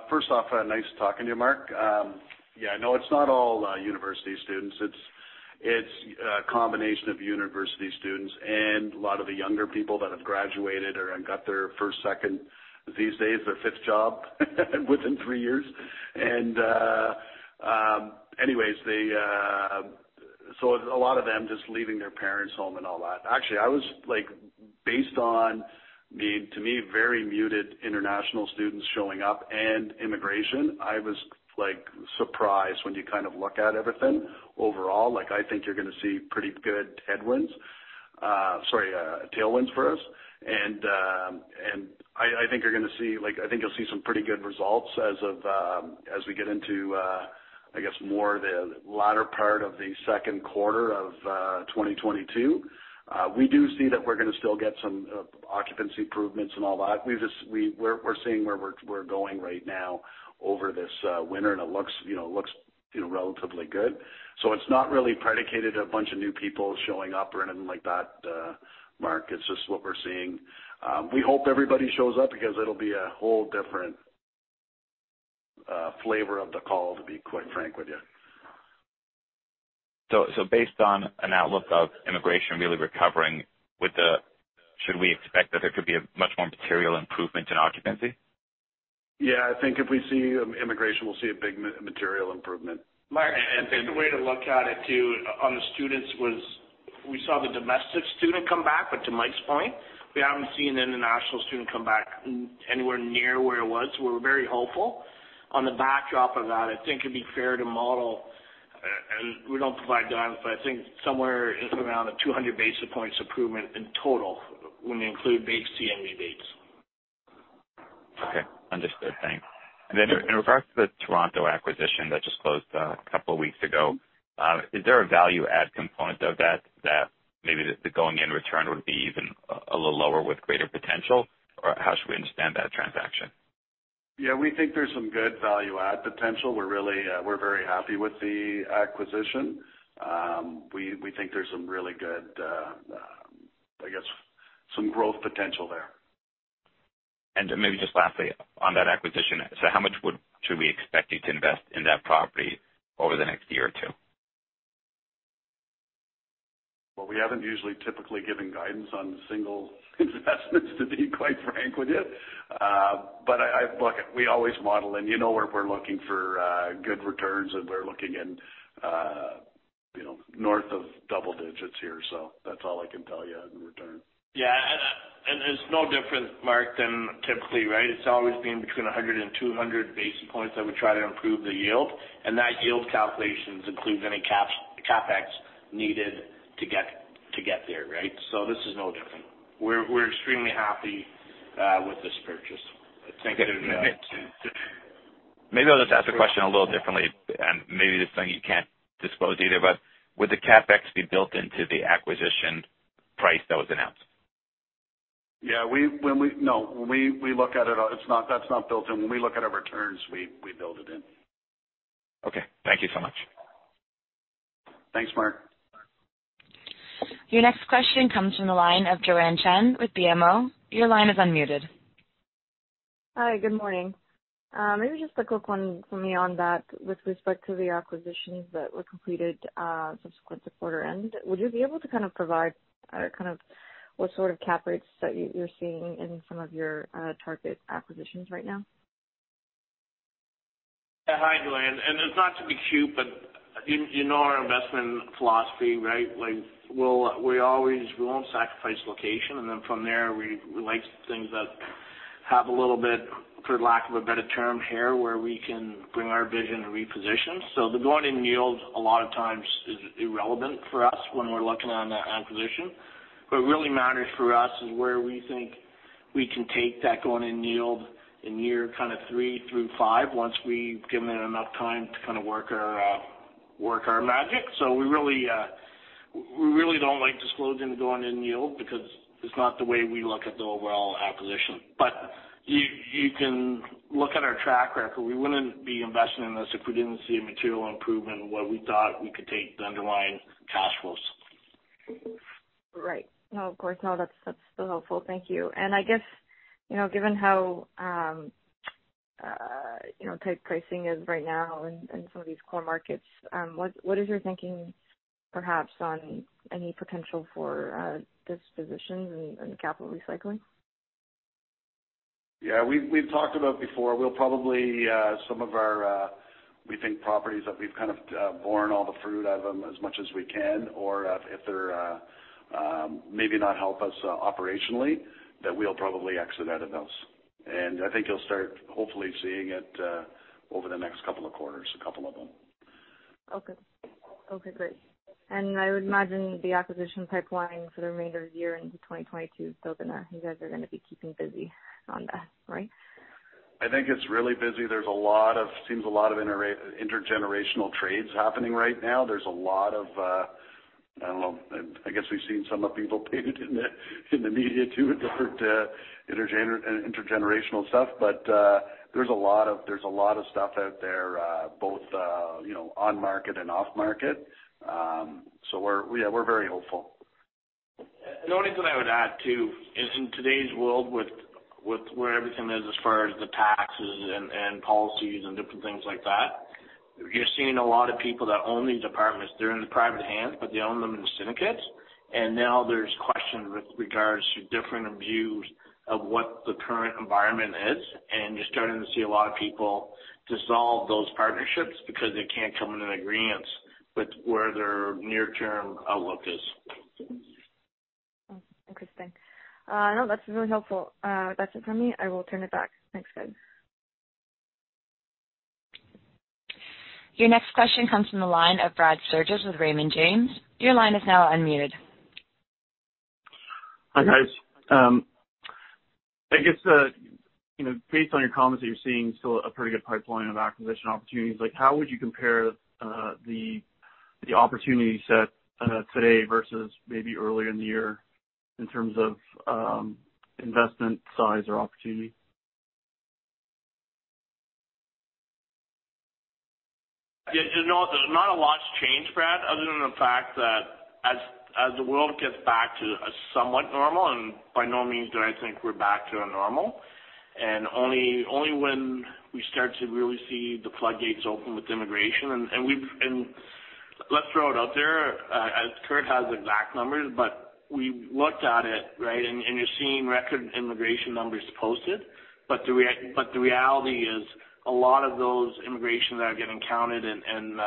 Speaker 3: First off, nice talking to you, Mark. Yeah, no, it's not all university students. It's a combination of university students and a lot of the younger people that have graduated and got their first, second, these days, their fifth job within three years. Anyways, they just leaving their parents' home and all that. Actually, I was like, based on the, to me, very muted international students showing up and immigration, I was, like, surprised when you kind of look at everything overall. Like, I think you're gonna see pretty good headwinds, sorry, tailwinds for us. I think you'll see some pretty good results as we get into I guess more the latter part of the second quarter of 2022. We do see that we're gonna still get some occupancy improvements and all that. We're seeing where we're going right now over this winter, and it looks, you know, relatively good. It's not really predicated a bunch of new people showing up or anything like that, Mark. It's just what we're seeing. We hope everybody shows up because it'll be a whole different flavor of the call, to be quite frank with you.
Speaker 10: Based on an outlook of immigration really recovering, should we expect that there could be a much more material improvement in occupancy?
Speaker 3: Yeah. I think if we see immigration, we'll see a big material improvement.
Speaker 6: Mark, I think the way to look at it too, on the students was we saw the domestic student come back. To Mike's point, we haven't seen an international student come back anywhere near where it was. We're very hopeful. On the backdrop of that, I think it'd be fair to model, and we don't provide guidance, but I think somewhere in around the 200 basis points improvement in total when you include same property base.
Speaker 10: Okay. Understood. Thanks. In regards to the Toronto acquisition that just closed a couple of weeks ago, is there a value add component of that maybe the going in return would be even a little lower with greater potential? Or how should we understand that transaction?
Speaker 3: Yeah, we think there's some good value add potential. We're really very happy with the acquisition. We think there's some really good, I guess some growth potential there.
Speaker 10: Maybe just lastly on that acquisition, so how much should we expect you to invest in that property over the next year or two?
Speaker 3: Well, we haven't usually typically given guidance on single investments to be quite frank with you. But look, we always model, and you know, where if we're looking for good returns and we're looking in, you know, north of double digits here. That's all I can tell you in return.
Speaker 5: Yeah, it's no different, Mark, than typically, right? It's always been between 100 and 200 basis points that we try to improve the yield. That yield calculations includes any CapEx needed to get there, right? This is no different. We're extremely happy with this purchase.
Speaker 3: Thank you.
Speaker 5: Yeah.
Speaker 10: Maybe I'll just ask the question a little differently, and maybe this is something you can't disclose either, but would the CapEx be built into the acquisition price that was announced?
Speaker 3: Yeah, no. When we look at it, that's not built in. When we look at our returns, we build it in.
Speaker 10: Okay, thank you so much.
Speaker 3: Thanks, Mark.
Speaker 1: Your next question comes from the line of Joanne Chen with BMO. Your line is unmuted.
Speaker 11: Hi, good morning. Maybe just a quick one for me on that with respect to the acquisitions that were completed subsequent to quarter end. Would you be able to kind of provide what sort of cap rates that you're seeing in some of your target acquisitions right now?
Speaker 3: Hi, Joanne. It's not to be cute, but you know our investment philosophy, right? Like, we won't sacrifice location, and then from there, we like things that have a little bit, for lack of a better term, hair, where we can bring our vision and reposition. The going-in yield a lot of times is irrelevant for us when we're looking at that acquisition. What really matters for us is where we think we can take that going-in yield in year kind of three through five once we've given it enough time to kind of work our magic. We really don't like disclosing the going-in yield because it's not the way we look at the overall acquisition. You can look at our track record. We wouldn't be investing in this if we didn't see a material improvement in what we thought we could take the underlying cash flows. Right. No, of course. No, that's still helpful. Thank you. I guess, you know, given how, you know, tight pricing is right now in some of these core markets, what is your thinking perhaps on any potential for dispositions and capital recycling? Yeah, we've talked about before, we'll probably some of our, we think, properties that we've kind of borne all the fruit out of them as much as we can, or if they're maybe not help us operationally, that we'll probably exit out of those. I think you'll start hopefully seeing it over the next couple of quarters, a couple of them.
Speaker 11: Okay. Okay, great. I would imagine the acquisition pipeline for the remainder of the year into 2022 is still gonna. You guys are gonna be keeping busy on that, right?
Speaker 3: I think it's really busy. There's a lot of intergenerational trades happening right now. There's a lot of, I don't know, I guess we've seen some of the people parading in the media too, as far as intergenerational stuff. There's a lot of stuff out there, both you know on market and off market. We're very hopeful.
Speaker 5: The only thing I would add, too, is in today's world, with where everything is as far as the taxes and policies and different things like that, you're seeing a lot of people that own these apartments, they're in private hands, but they own them in syndicates. Now there's questions with regards to different views of what the current environment is. You're starting to see a lot of people dissolve those partnerships because they can't come to an agreement with where their near-term outlook is.
Speaker 11: Interesting. No, that's really helpful. That's it for me. I will turn it back. Thanks, guys.
Speaker 1: Your next question comes from the line of Brad Sturges with Raymond James. Your line is now unmuted.
Speaker 12: Hi, guys. I guess you know, based on your comments that you're seeing still a pretty good pipeline of acquisition opportunities, like how would you compare the opportunity set today versus maybe earlier in the year in terms of investment size or opportunity?
Speaker 5: Yeah. You know, not a lot's changed, Brad, other than the fact that as the world gets back to a somewhat normal, by no means do I think we're back to a normal, only when we start to really see the floodgates open with immigration. Let's throw it out there, as Curt has exact numbers, but we looked at it, right, and you're seeing record immigration numbers posted. But the reality is a lot of those immigrants that are getting counted and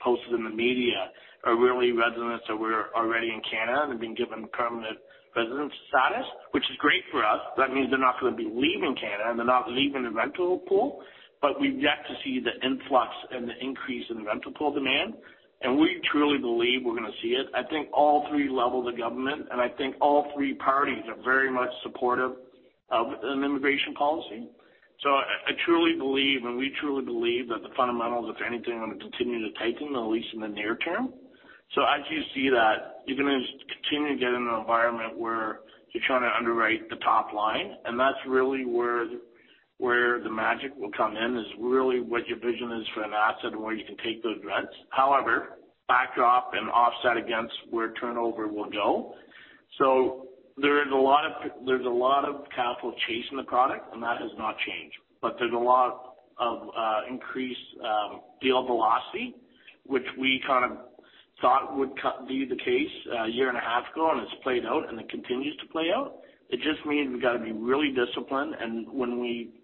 Speaker 5: posted in the media are really residents that were already in Canada and have been given permanent residence status, which is great for us. That means they're not gonna be leaving Canada, and they're not leaving the rental pool. We've yet to see the influx and the increase in the rental pool demand, and we truly believe we're gonna see it. I think all three levels of government, and I think all three parties are very much supportive of an immigration policy. I truly believe, and we truly believe that the fundamentals, if anything, are gonna continue to tighten, at least in the near term. As you see that, you're gonna continue to get in an environment where you're trying to underwrite the top line, and that's really where the magic will come in, is really what your vision is for an asset and where you can take those rents. However, backdrop and offset against where turnover will go. There is a lot of capital chasing the product, and that has not changed. There's a lot Of increased deal velocity, which we kind of thought would be the case a year and a half ago, and it's played out, and it continues to play out. It just means we've got to be really disciplined, and when we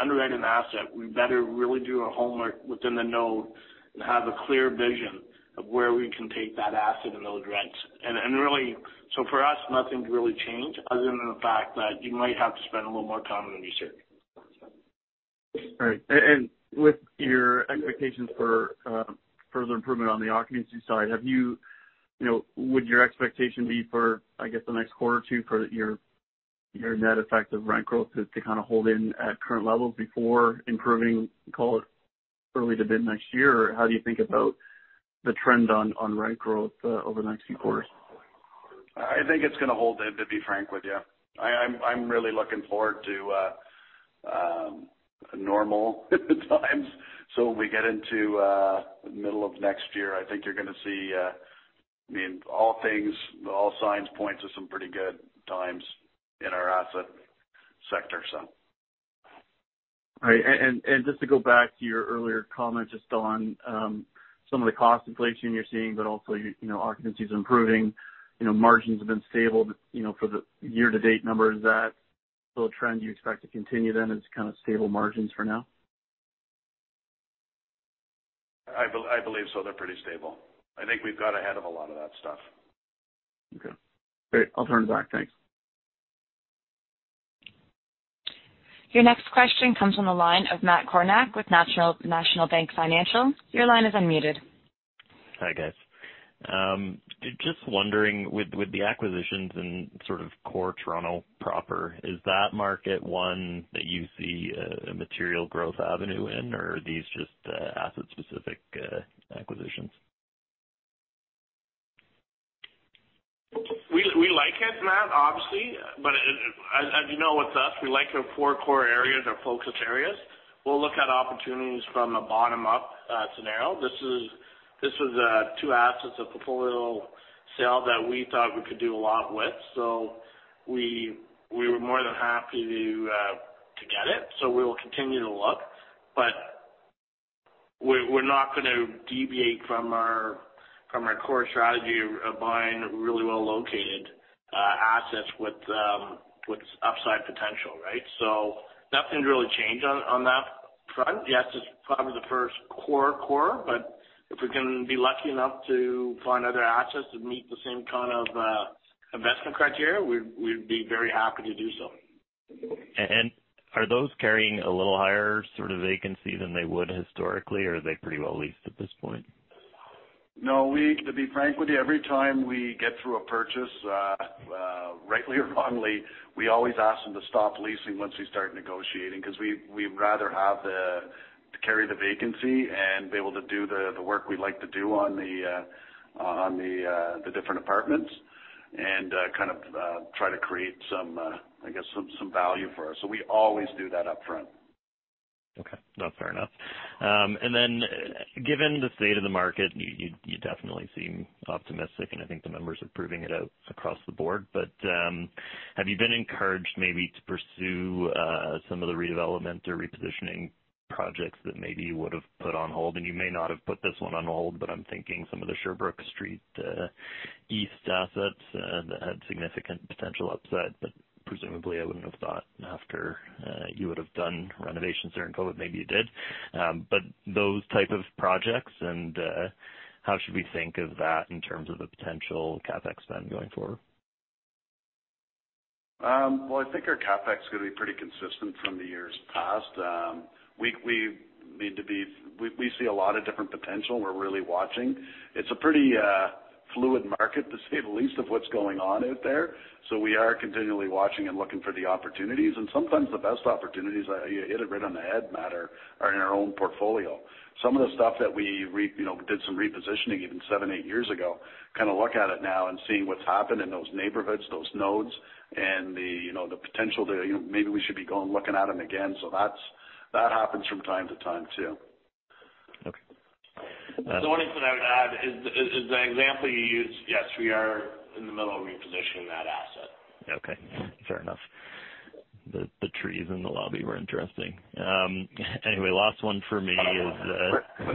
Speaker 5: underwrite an asset, we better really do our homework within the node and have a clear vision of where we can take that asset and those rents. For us, nothing's really changed other than the fact that you might have to spend a little more time on your research.
Speaker 12: All right. With your expectations for further improvement on the occupancy side, have you know, would your expectation be for, I guess, the next quarter or two for your net effect of rent growth to kind of hold in at current levels before improving, call it early to mid-next year? Or how do you think about the trend on rent growth over the next few quarters?
Speaker 3: I think it's gonna hold, to be frank with you. I'm really looking forward to normal times. When we get into the middle of next year, I think you're gonna see, I mean, all things, all signs point to some pretty good times in our asset sector.
Speaker 12: Right. Just to go back to your earlier comment just on some of the cost inflation you're seeing, but also, you know, occupancy's improving, you know, margins have been stable, you know, for the year-to-date numbers. Is that still a trend you expect to continue then as kind of stable margins for now?
Speaker 3: I believe so. They're pretty stable. I think we've got ahead of a lot of that stuff.
Speaker 12: Okay. Great. I'll turn it back. Thanks.
Speaker 1: Your next question comes from the line of Matt Kornack with National Bank Financial. Your line is unmuted.
Speaker 13: Hi, guys. Just wondering, with the acquisitions in sort of core Toronto proper, is that market one that you see a material growth avenue in, or are these just asset-specific acquisitions?
Speaker 3: We like it, Matt, obviously. As you know with us, we like the four core areas, our focused areas. We'll look at opportunities from a bottom-up scenario. This was two assets, a portfolio sale that we thought we could do a lot with. We were more than happy to get it, we will continue to look. We're not gonna deviate from our core strategy of buying really well-located assets with upside potential, right? Nothing's really changed on that front. Yes, it's probably the first core, if we can be lucky enough to find other assets that meet the same kind of investment criteria, we'd be very happy to do so.
Speaker 13: Are those carrying a little higher sort of vacancy than they would historically, or are they pretty well leased at this point?
Speaker 3: No. To be frank with you, every time we get through a purchase, rightly or wrongly, we always ask them to stop leasing once we start negotiating, because we'd rather have to carry the vacancy and be able to do the work we like to do on the different apartments and kind of try to create some, I guess, some value for us. We always do that up front.
Speaker 13: Okay. No, fair enough. Given the state of the market, you definitely seem optimistic, and I think the numbers are proving it out across the board. Have you been encouraged maybe to pursue some of the redevelopment or repositioning projects that maybe you would've put on hold? You may not have put this one on hold, but I'm thinking some of the Sherbrooke Street East assets that had significant potential upside. Presumably, I wouldn't have thought after you would've done renovations during COVID, maybe you did. Those type of projects and how should we think of that in terms of the potential CapEx spend going forward?
Speaker 3: Well, I think our CapEx is gonna be pretty consistent from the years past. We see a lot of different potential, and we're really watching. It's a pretty fluid market to say the least of what's going on out there, so we are continually watching and looking for the opportunities. Sometimes the best opportunities you hit it right on the head, Matt, are in our own portfolio. Some of the stuff that we, you know, did some repositioning even seven, eight years ago, kind of look at it now and seeing what's happened in those neighborhoods, those nodes and the, you know, the potential to, you know, maybe we should be going looking at them again. That happens from time to time too.
Speaker 13: Okay.
Speaker 6: The only thing that I would add is the example you used, yes, we are in the middle of repositioning that asset.
Speaker 13: Okay. Fair enough. The trees in the lobby were interesting. Anyway, last one for me is.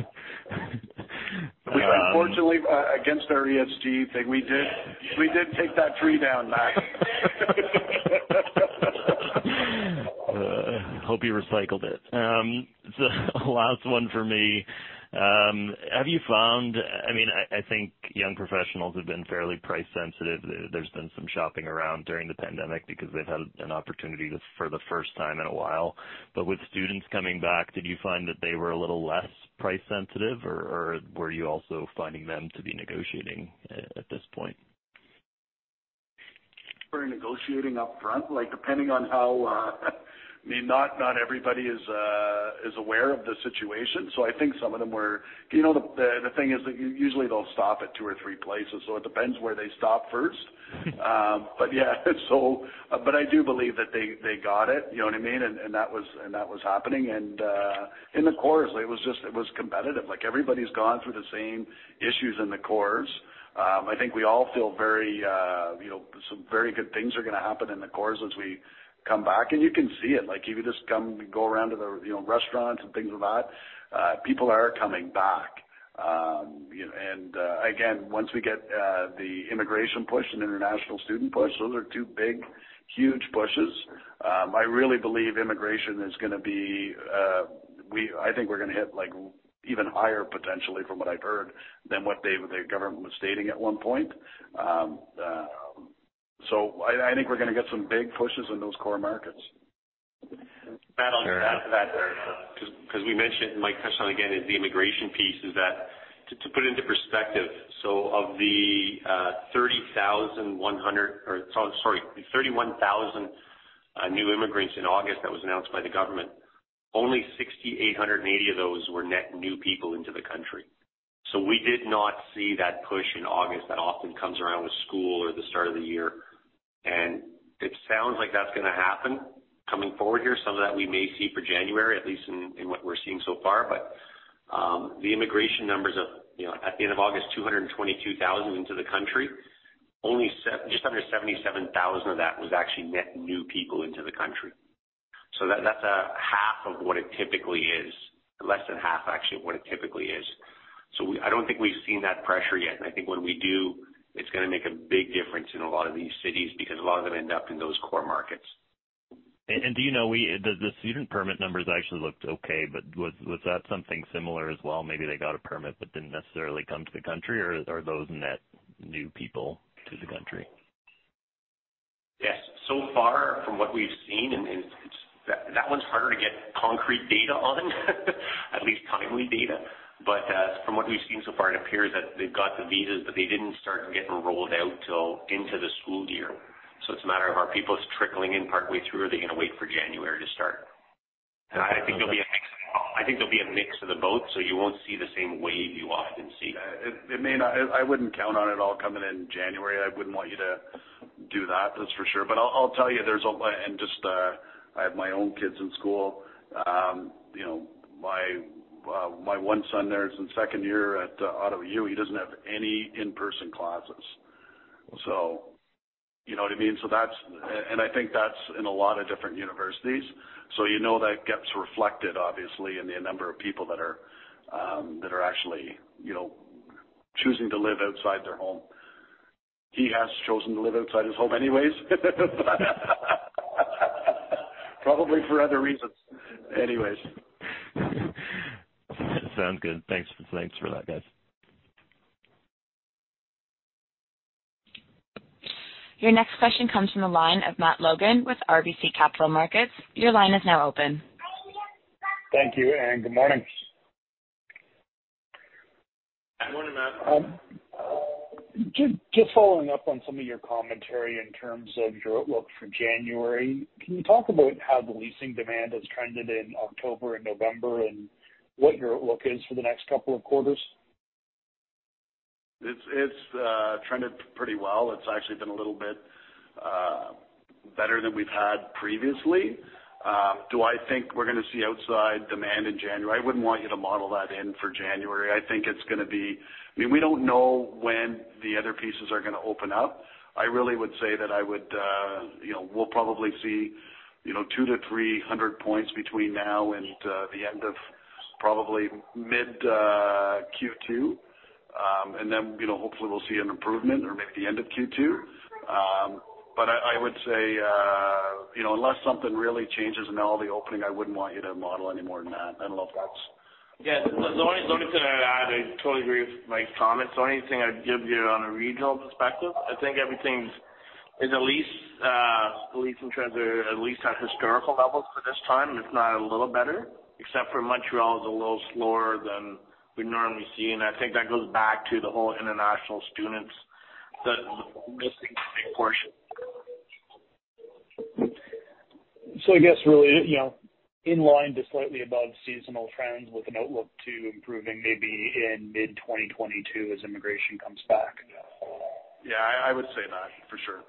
Speaker 3: We unfortunately, against our ESG thing, we did take that tree down, Matt.
Speaker 13: Hope you recycled it. Last one for me. I mean, I think young professionals have been fairly price sensitive. There's been some shopping around during the pandemic because they've had an opportunity to, for the first time in a while. With students coming back, did you find that they were a little less price sensitive, or were you also finding them to be negotiating at this point?
Speaker 3: We're negotiating up front, like, depending on how, I mean, not everybody is aware of the situation, so I think some of them were. You know, the thing is that usually they'll stop at two or three places, so it depends where they stop first. Yeah, I do believe that they got it, you know what I mean? That was happening. In the cores, it was just competitive. Like, everybody's gone through the same issues in the cores. I think we all feel very, you know, some very good things are gonna happen in the cores as we come back. You can see it. Like, if you just come and go around to the, you know, restaurants and things like that, people are coming back. You know, again, once we get the immigration push and international student push, those are two big, huge pushes. I really believe immigration is gonna be, I think we're gonna hit like even higher potentially from what I've heard than what they, the government was stating at one point. I think we're gonna get some big pushes in those core markets.
Speaker 5: Matt, I'll just add to that 'cause we mentioned, and might touch on again, is the immigration piece, that to put it into perspective, so of the 31,000 new immigrants in August that was announced by the government, only 6,880 of those were net new people into the country. We did not see that push in August that often comes around with school or the start of the year. It sounds like that's gonna happen coming forward here. Some of that we may see for January, at least in what we're seeing so far. The immigration numbers of, you know, at the end of August, 222,000 into the country, only just under 77,000 of that was actually net new people into the country. That's half of what it typically is, less than half actually of what it typically is. I don't think we've seen that pressure yet. I think when we do, it's gonna make a big difference in a lot of these cities because a lot of them end up in those core markets.
Speaker 13: Do you know, the student permit numbers actually looked okay, but was that something similar as well? Maybe they got a permit but didn't necessarily come to the country or those net new people to the country?
Speaker 5: Yes. So far from what we've seen and that one's harder to get concrete data on, at least timely data. From what we've seen so far, it appears that they've got the visas, but they didn't start getting rolled out till into the school year. It's a matter of are people trickling in partway through, or are they gonna wait for January to start? I think there'll be a mix of all. I think there'll be a mix of the both, so you won't see the same wave you often see.
Speaker 3: It may not. I wouldn't count on it all coming in January. I wouldn't want you to do that's for sure. But I'll tell you just I have my own kids in school. You know, my one son there is in second year at Ottawa U. He doesn't have any in-person classes. You know what I mean? That's I think that's in a lot of different universities. You know that gets reflected obviously in the number of people that are actually you know choosing to live outside their home. He has chosen to live outside his home anyways, probably for other reasons. Anyways.
Speaker 13: Sounds good. Thanks. Thanks for that, guys.
Speaker 1: Your next question comes from the line of Matt Logan with RBC Capital Markets. Your line is now open.
Speaker 14: Thank you and good morning.
Speaker 3: Good morning, Matt.
Speaker 14: Just following up on some of your commentary in terms of your outlook for January, can you talk about how the leasing demand has trended in October and November and what your outlook is for the next couple of quarters?
Speaker 3: It's trended pretty well. It's actually been a little bit better than we've had previously. Do I think we're gonna see outside demand in January? I wouldn't want you to model that in for January. I think it's gonna be, I mean, we don't know when the other pieces are gonna open up. I really would say, you know, we'll probably see, you know, 200-300 points between now and the end of probably mid Q2. You know, hopefully we'll see an improvement or maybe the end of Q2. I would say, you know, unless something really changes in all the opening, I wouldn't want you to model any more than that. I don't know if that's
Speaker 5: The only thing I'd add, I totally agree with Mike's comments. The only thing I'd give you on a regional perspective, I think everything is at least leasing trends are at least at historical levels for this time. If not a little better, except for Montreal is a little slower than we'd normally see. I think that goes back to the whole international students, the missing big portion.
Speaker 14: I guess really, you know, in line to slightly above seasonal trends with an outlook to improving maybe in mid-2022 as immigration comes back.
Speaker 3: Yeah. I would say that for sure.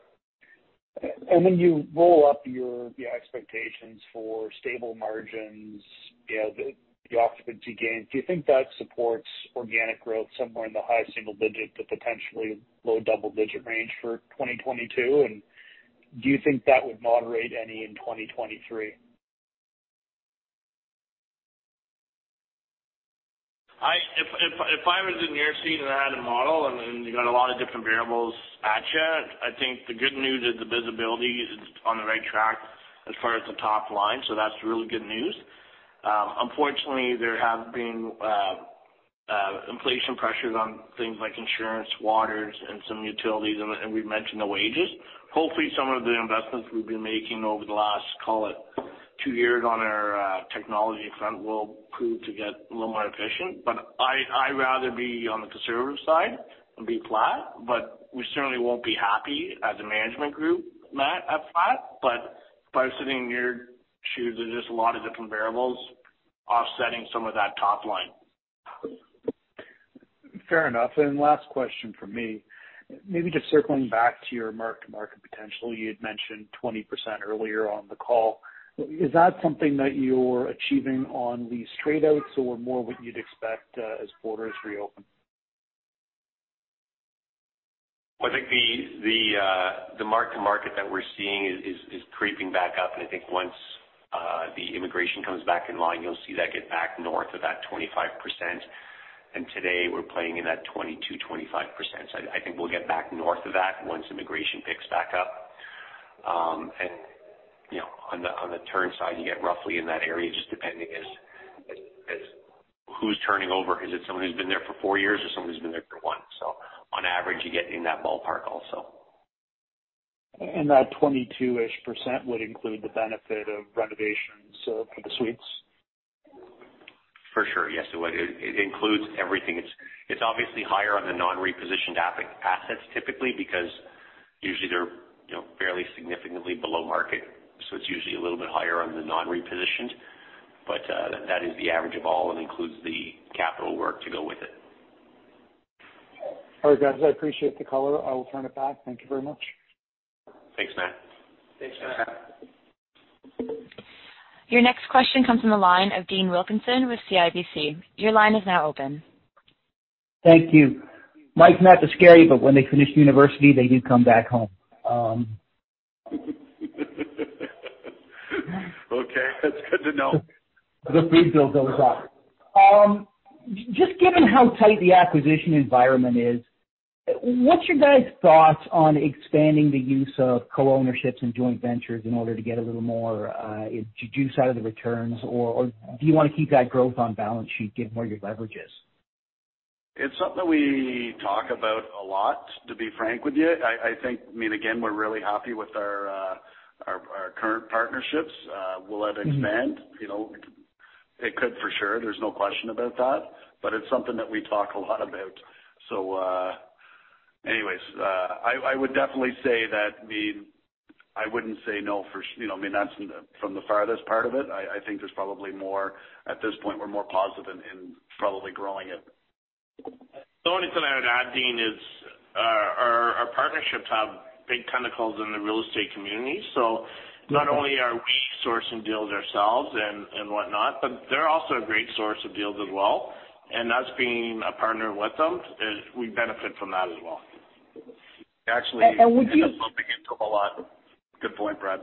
Speaker 14: When you roll up your expectations for stable margins, you know, the occupancy gains, do you think that supports organic growth somewhere in the high single digit to potentially low double digit range for 2022? Do you think that would moderate any in 2023?
Speaker 5: If I was in your seat and I had a model and then you got a lot of different variables at you, I think the good news is the visibility is on the right track as far as the top line, so that's really good news. Unfortunately, there have been inflation pressures on things like insurance, waters and some utilities, and we've mentioned the wages. Hopefully, some of the investments we've been making over the last, call it two years on our technology front will prove to get a little more efficient. I rather be on the conservative side and be flat, but we certainly won't be happy as a management group, Matt, at flat. If I was sitting in your shoes, there's just a lot of different variables offsetting some of that top line.
Speaker 14: Fair enough. Last question from me. Maybe just circling back to your mark-to-market potential. You had mentioned 20% earlier on the call. Is that something that you're achieving on the straight outs or more what you'd expect as borders reopen?
Speaker 5: Well, I think the mark-to-market that we're seeing is creeping back up, and I think once the immigration comes back in line, you'll see that get back north of that 25%. Today we're playing in that 20%-25%. I think we'll get back north of that once immigration picks back up. You know, on the turn side, you get roughly in that area, just depending as who's turning over. Is it someone who's been there for four years or someone who's been there for one? On average, you get in that ballpark also.
Speaker 14: That 22-ish% would include the benefit of renovations for the suites?
Speaker 5: For sure. Yes, it would. It includes everything. It's obviously higher on the non-repositioned apartment assets, typically, because usually they're, you know, fairly significantly below market. It's usually a little bit higher on the non-repositioned. That is the average of all and includes the capital work to go with it.
Speaker 14: All right, guys, I appreciate the call. I will turn it back. Thank you very much.
Speaker 6: Thanks, Matt.
Speaker 3: Thanks, Matt.
Speaker 1: Your next question comes from the line of Dean Wilkinson with CIBC. Your line is now open.
Speaker 15: Thank you. Migration is scary. When they finish university, they do come back home.
Speaker 3: Okay, that's good to know.
Speaker 15: The food bill goes up. Just given how tight the acquisition environment is, what's your guys' thoughts on expanding the use of co-ownerships and joint ventures in order to get a little more, juice out of the returns? Or do you wanna keep that growth on balance sheet, given where your leverage is?
Speaker 3: It's something we talk about a lot, to be frank with you. I think, I mean, again, we're really happy with our current partnerships. Will it expand? You know, it could for sure. There's no question about that. It's something that we talk a lot about. Anyways, I would definitely say that, I mean, I wouldn't say no for, you know, I mean, that's from the farthest part of it. I think there's probably more. At this point, we're more positive in probably growing it.
Speaker 5: The only thing I would add, Dean, is our partnerships have big tentacles in the real estate community. Not only are we sourcing deals ourselves and whatnot, but they're also a great source of deals as well. Us being a partner with them is we benefit from that as well.
Speaker 15: And, and would you.
Speaker 3: Actually, they end up helping us a lot. Good point, Brad.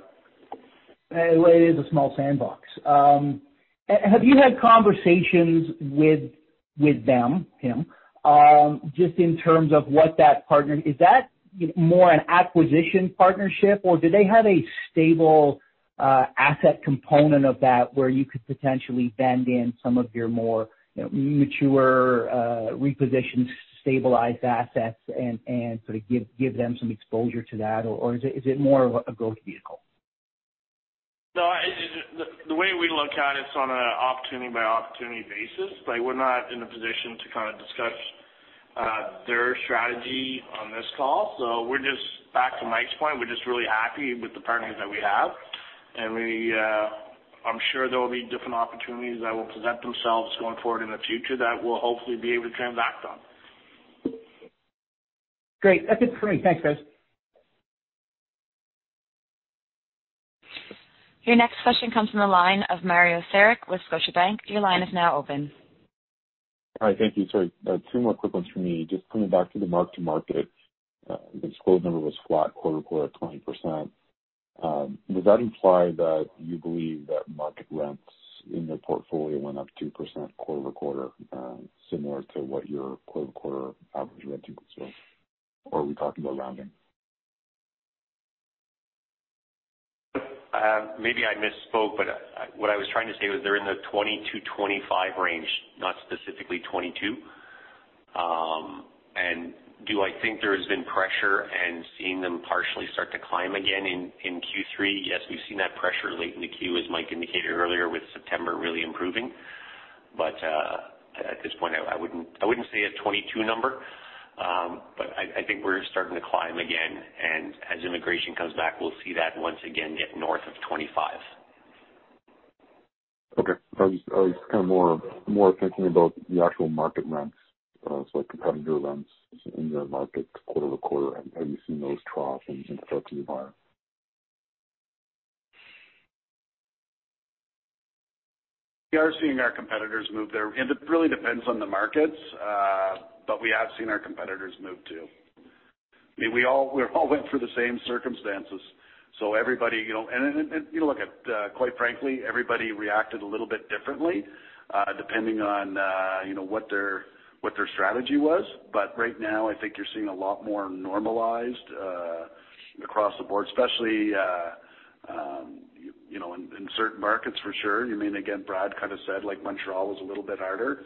Speaker 15: Well, it is a small sandbox. Have you had conversations with him just in terms of what that partner is? Is that more an acquisition partnership, or do they have a stable asset component of that where you could potentially blend in some of your more, you know, mature, repositioned, stabilized assets and sort of give them some exposure to that? Or is it more of a growth vehicle?
Speaker 3: No, the way we look at it's on an opportunity-by-opportunity basis. Like, we're not in a position to kinda discuss their strategy on this call. So we're just, back to Mike's point, we're just really happy with the partners that we have. I'm sure there will be different opportunities that will present themselves going forward in the future that we'll hopefully be able to transact on.
Speaker 15: Great. That's it for me. Thanks, guys.
Speaker 1: Your next question comes from the line of Mario Saric with Scotiabank. Your line is now open.
Speaker 8: All right. Thank you. Sorry, two more quick ones for me. Just coming back to the mark-to-market. The disclosed number was flat quarter-over-quarter at 20%. Does that imply that you believe that market rents in your portfolio went up 2% quarter-over-quarter, similar to what your quarter-over-quarter average rent increase was? Or are we talking about rounding?
Speaker 6: Maybe I misspoke, but what I was trying to say was they're in the 22%-25% range, not specifically 22%. Do I think there has been pressure and seeing them partially start to climb again in Q3? Yes, we've seen that pressure late in the quarter, as Mike indicated earlier, with September really improving. At this point, I wouldn't say a 22% number, but I think we're starting to climb again, and as immigration comes back, we'll see that once again get north of 25%.
Speaker 8: Okay. I was kind of more thinking about the actual market rents. Like comparing your rents in your markets quarter-over-quarter, have you seen those trough and start to move higher?
Speaker 3: We are seeing our competitors move there. It really depends on the markets, but we have seen our competitors move too. I mean, we all went through the same circumstances, so everybody, you know. You look at, quite frankly, everybody reacted a little bit differently, depending on, you know, what their strategy was. Right now, I think you're seeing a lot more normalized, across the board, especially, you know, in certain markets for sure. I mean, again, Brad kind of said like Montreal was a little bit harder.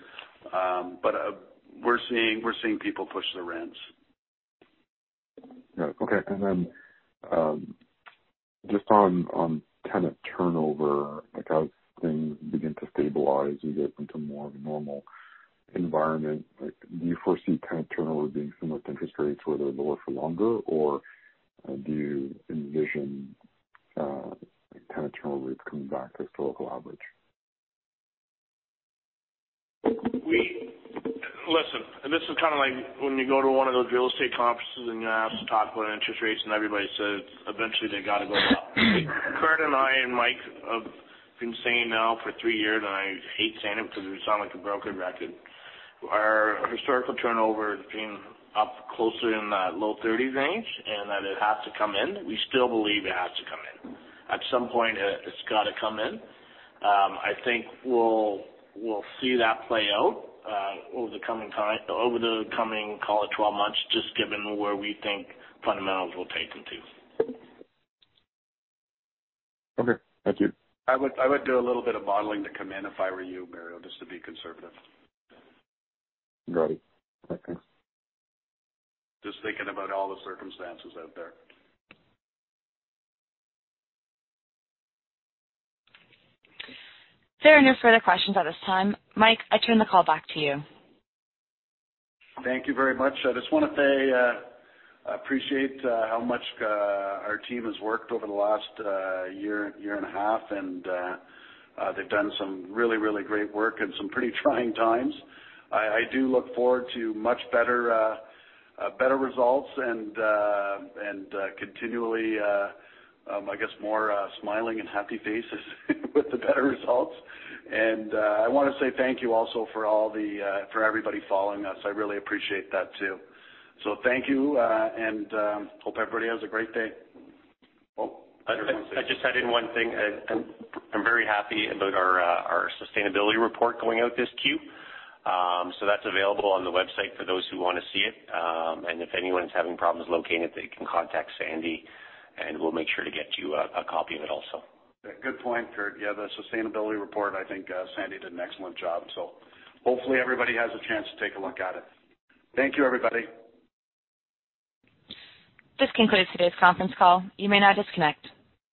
Speaker 3: We're seeing people push the rents.
Speaker 8: Yeah. Okay. Then, just on tenant turnover, like as things begin to stabilize, we get into more of a normal environment, like do you foresee tenant turnover being similar to interest rates, whether lower for longer, or do you envision tenant turnover rates coming back to historical average?
Speaker 5: Listen, this is kind of like when you go to one of those real estate conferences and you ask to talk about interest rates, and everybody says eventually they gotta go up. Curt and I and Mike have been saying now for three years, and I hate saying it because we sound like a broken record. Our historical turnover has been up closer in the low thirties range and that it has to come in. We still believe it has to come in. At some point, it's gotta come in. I think we'll see that play out over the coming, call it, 12 months, just given where we think fundamentals will take them to.
Speaker 8: Okay, thank you.
Speaker 5: I would do a little bit of modeling to come in if I were you, Mario, just to be conservative.
Speaker 3: Got it. Okay.
Speaker 5: Just thinking about all the circumstances out there.
Speaker 1: There are no further questions at this time. Mike, I turn the call back to you.
Speaker 3: Thank you very much. I just wanna say I appreciate how much our team has worked over the last year and a half, and they've done some really great work in some pretty trying times. I do look forward to much better results and continually I guess more smiling and happy faces with the better results. I wanna say thank you also for everybody following us. I really appreciate that too. Thank you, and I hope everybody has a great day.
Speaker 6: I just add in one thing. I'm very happy about our sustainability report going out this quarter. That's available on the website for those who wanna see it. If anyone's having problems locating it, they can contact Sandy, and we'll make sure to get you a copy of it also.
Speaker 3: Good point, Curt. Yeah, the sustainability report, I think, Sandy did an excellent job. Hopefully everybody has a chance to take a look at it. Thank you, everybody.
Speaker 1: This concludes today's conference call. You may now disconnect.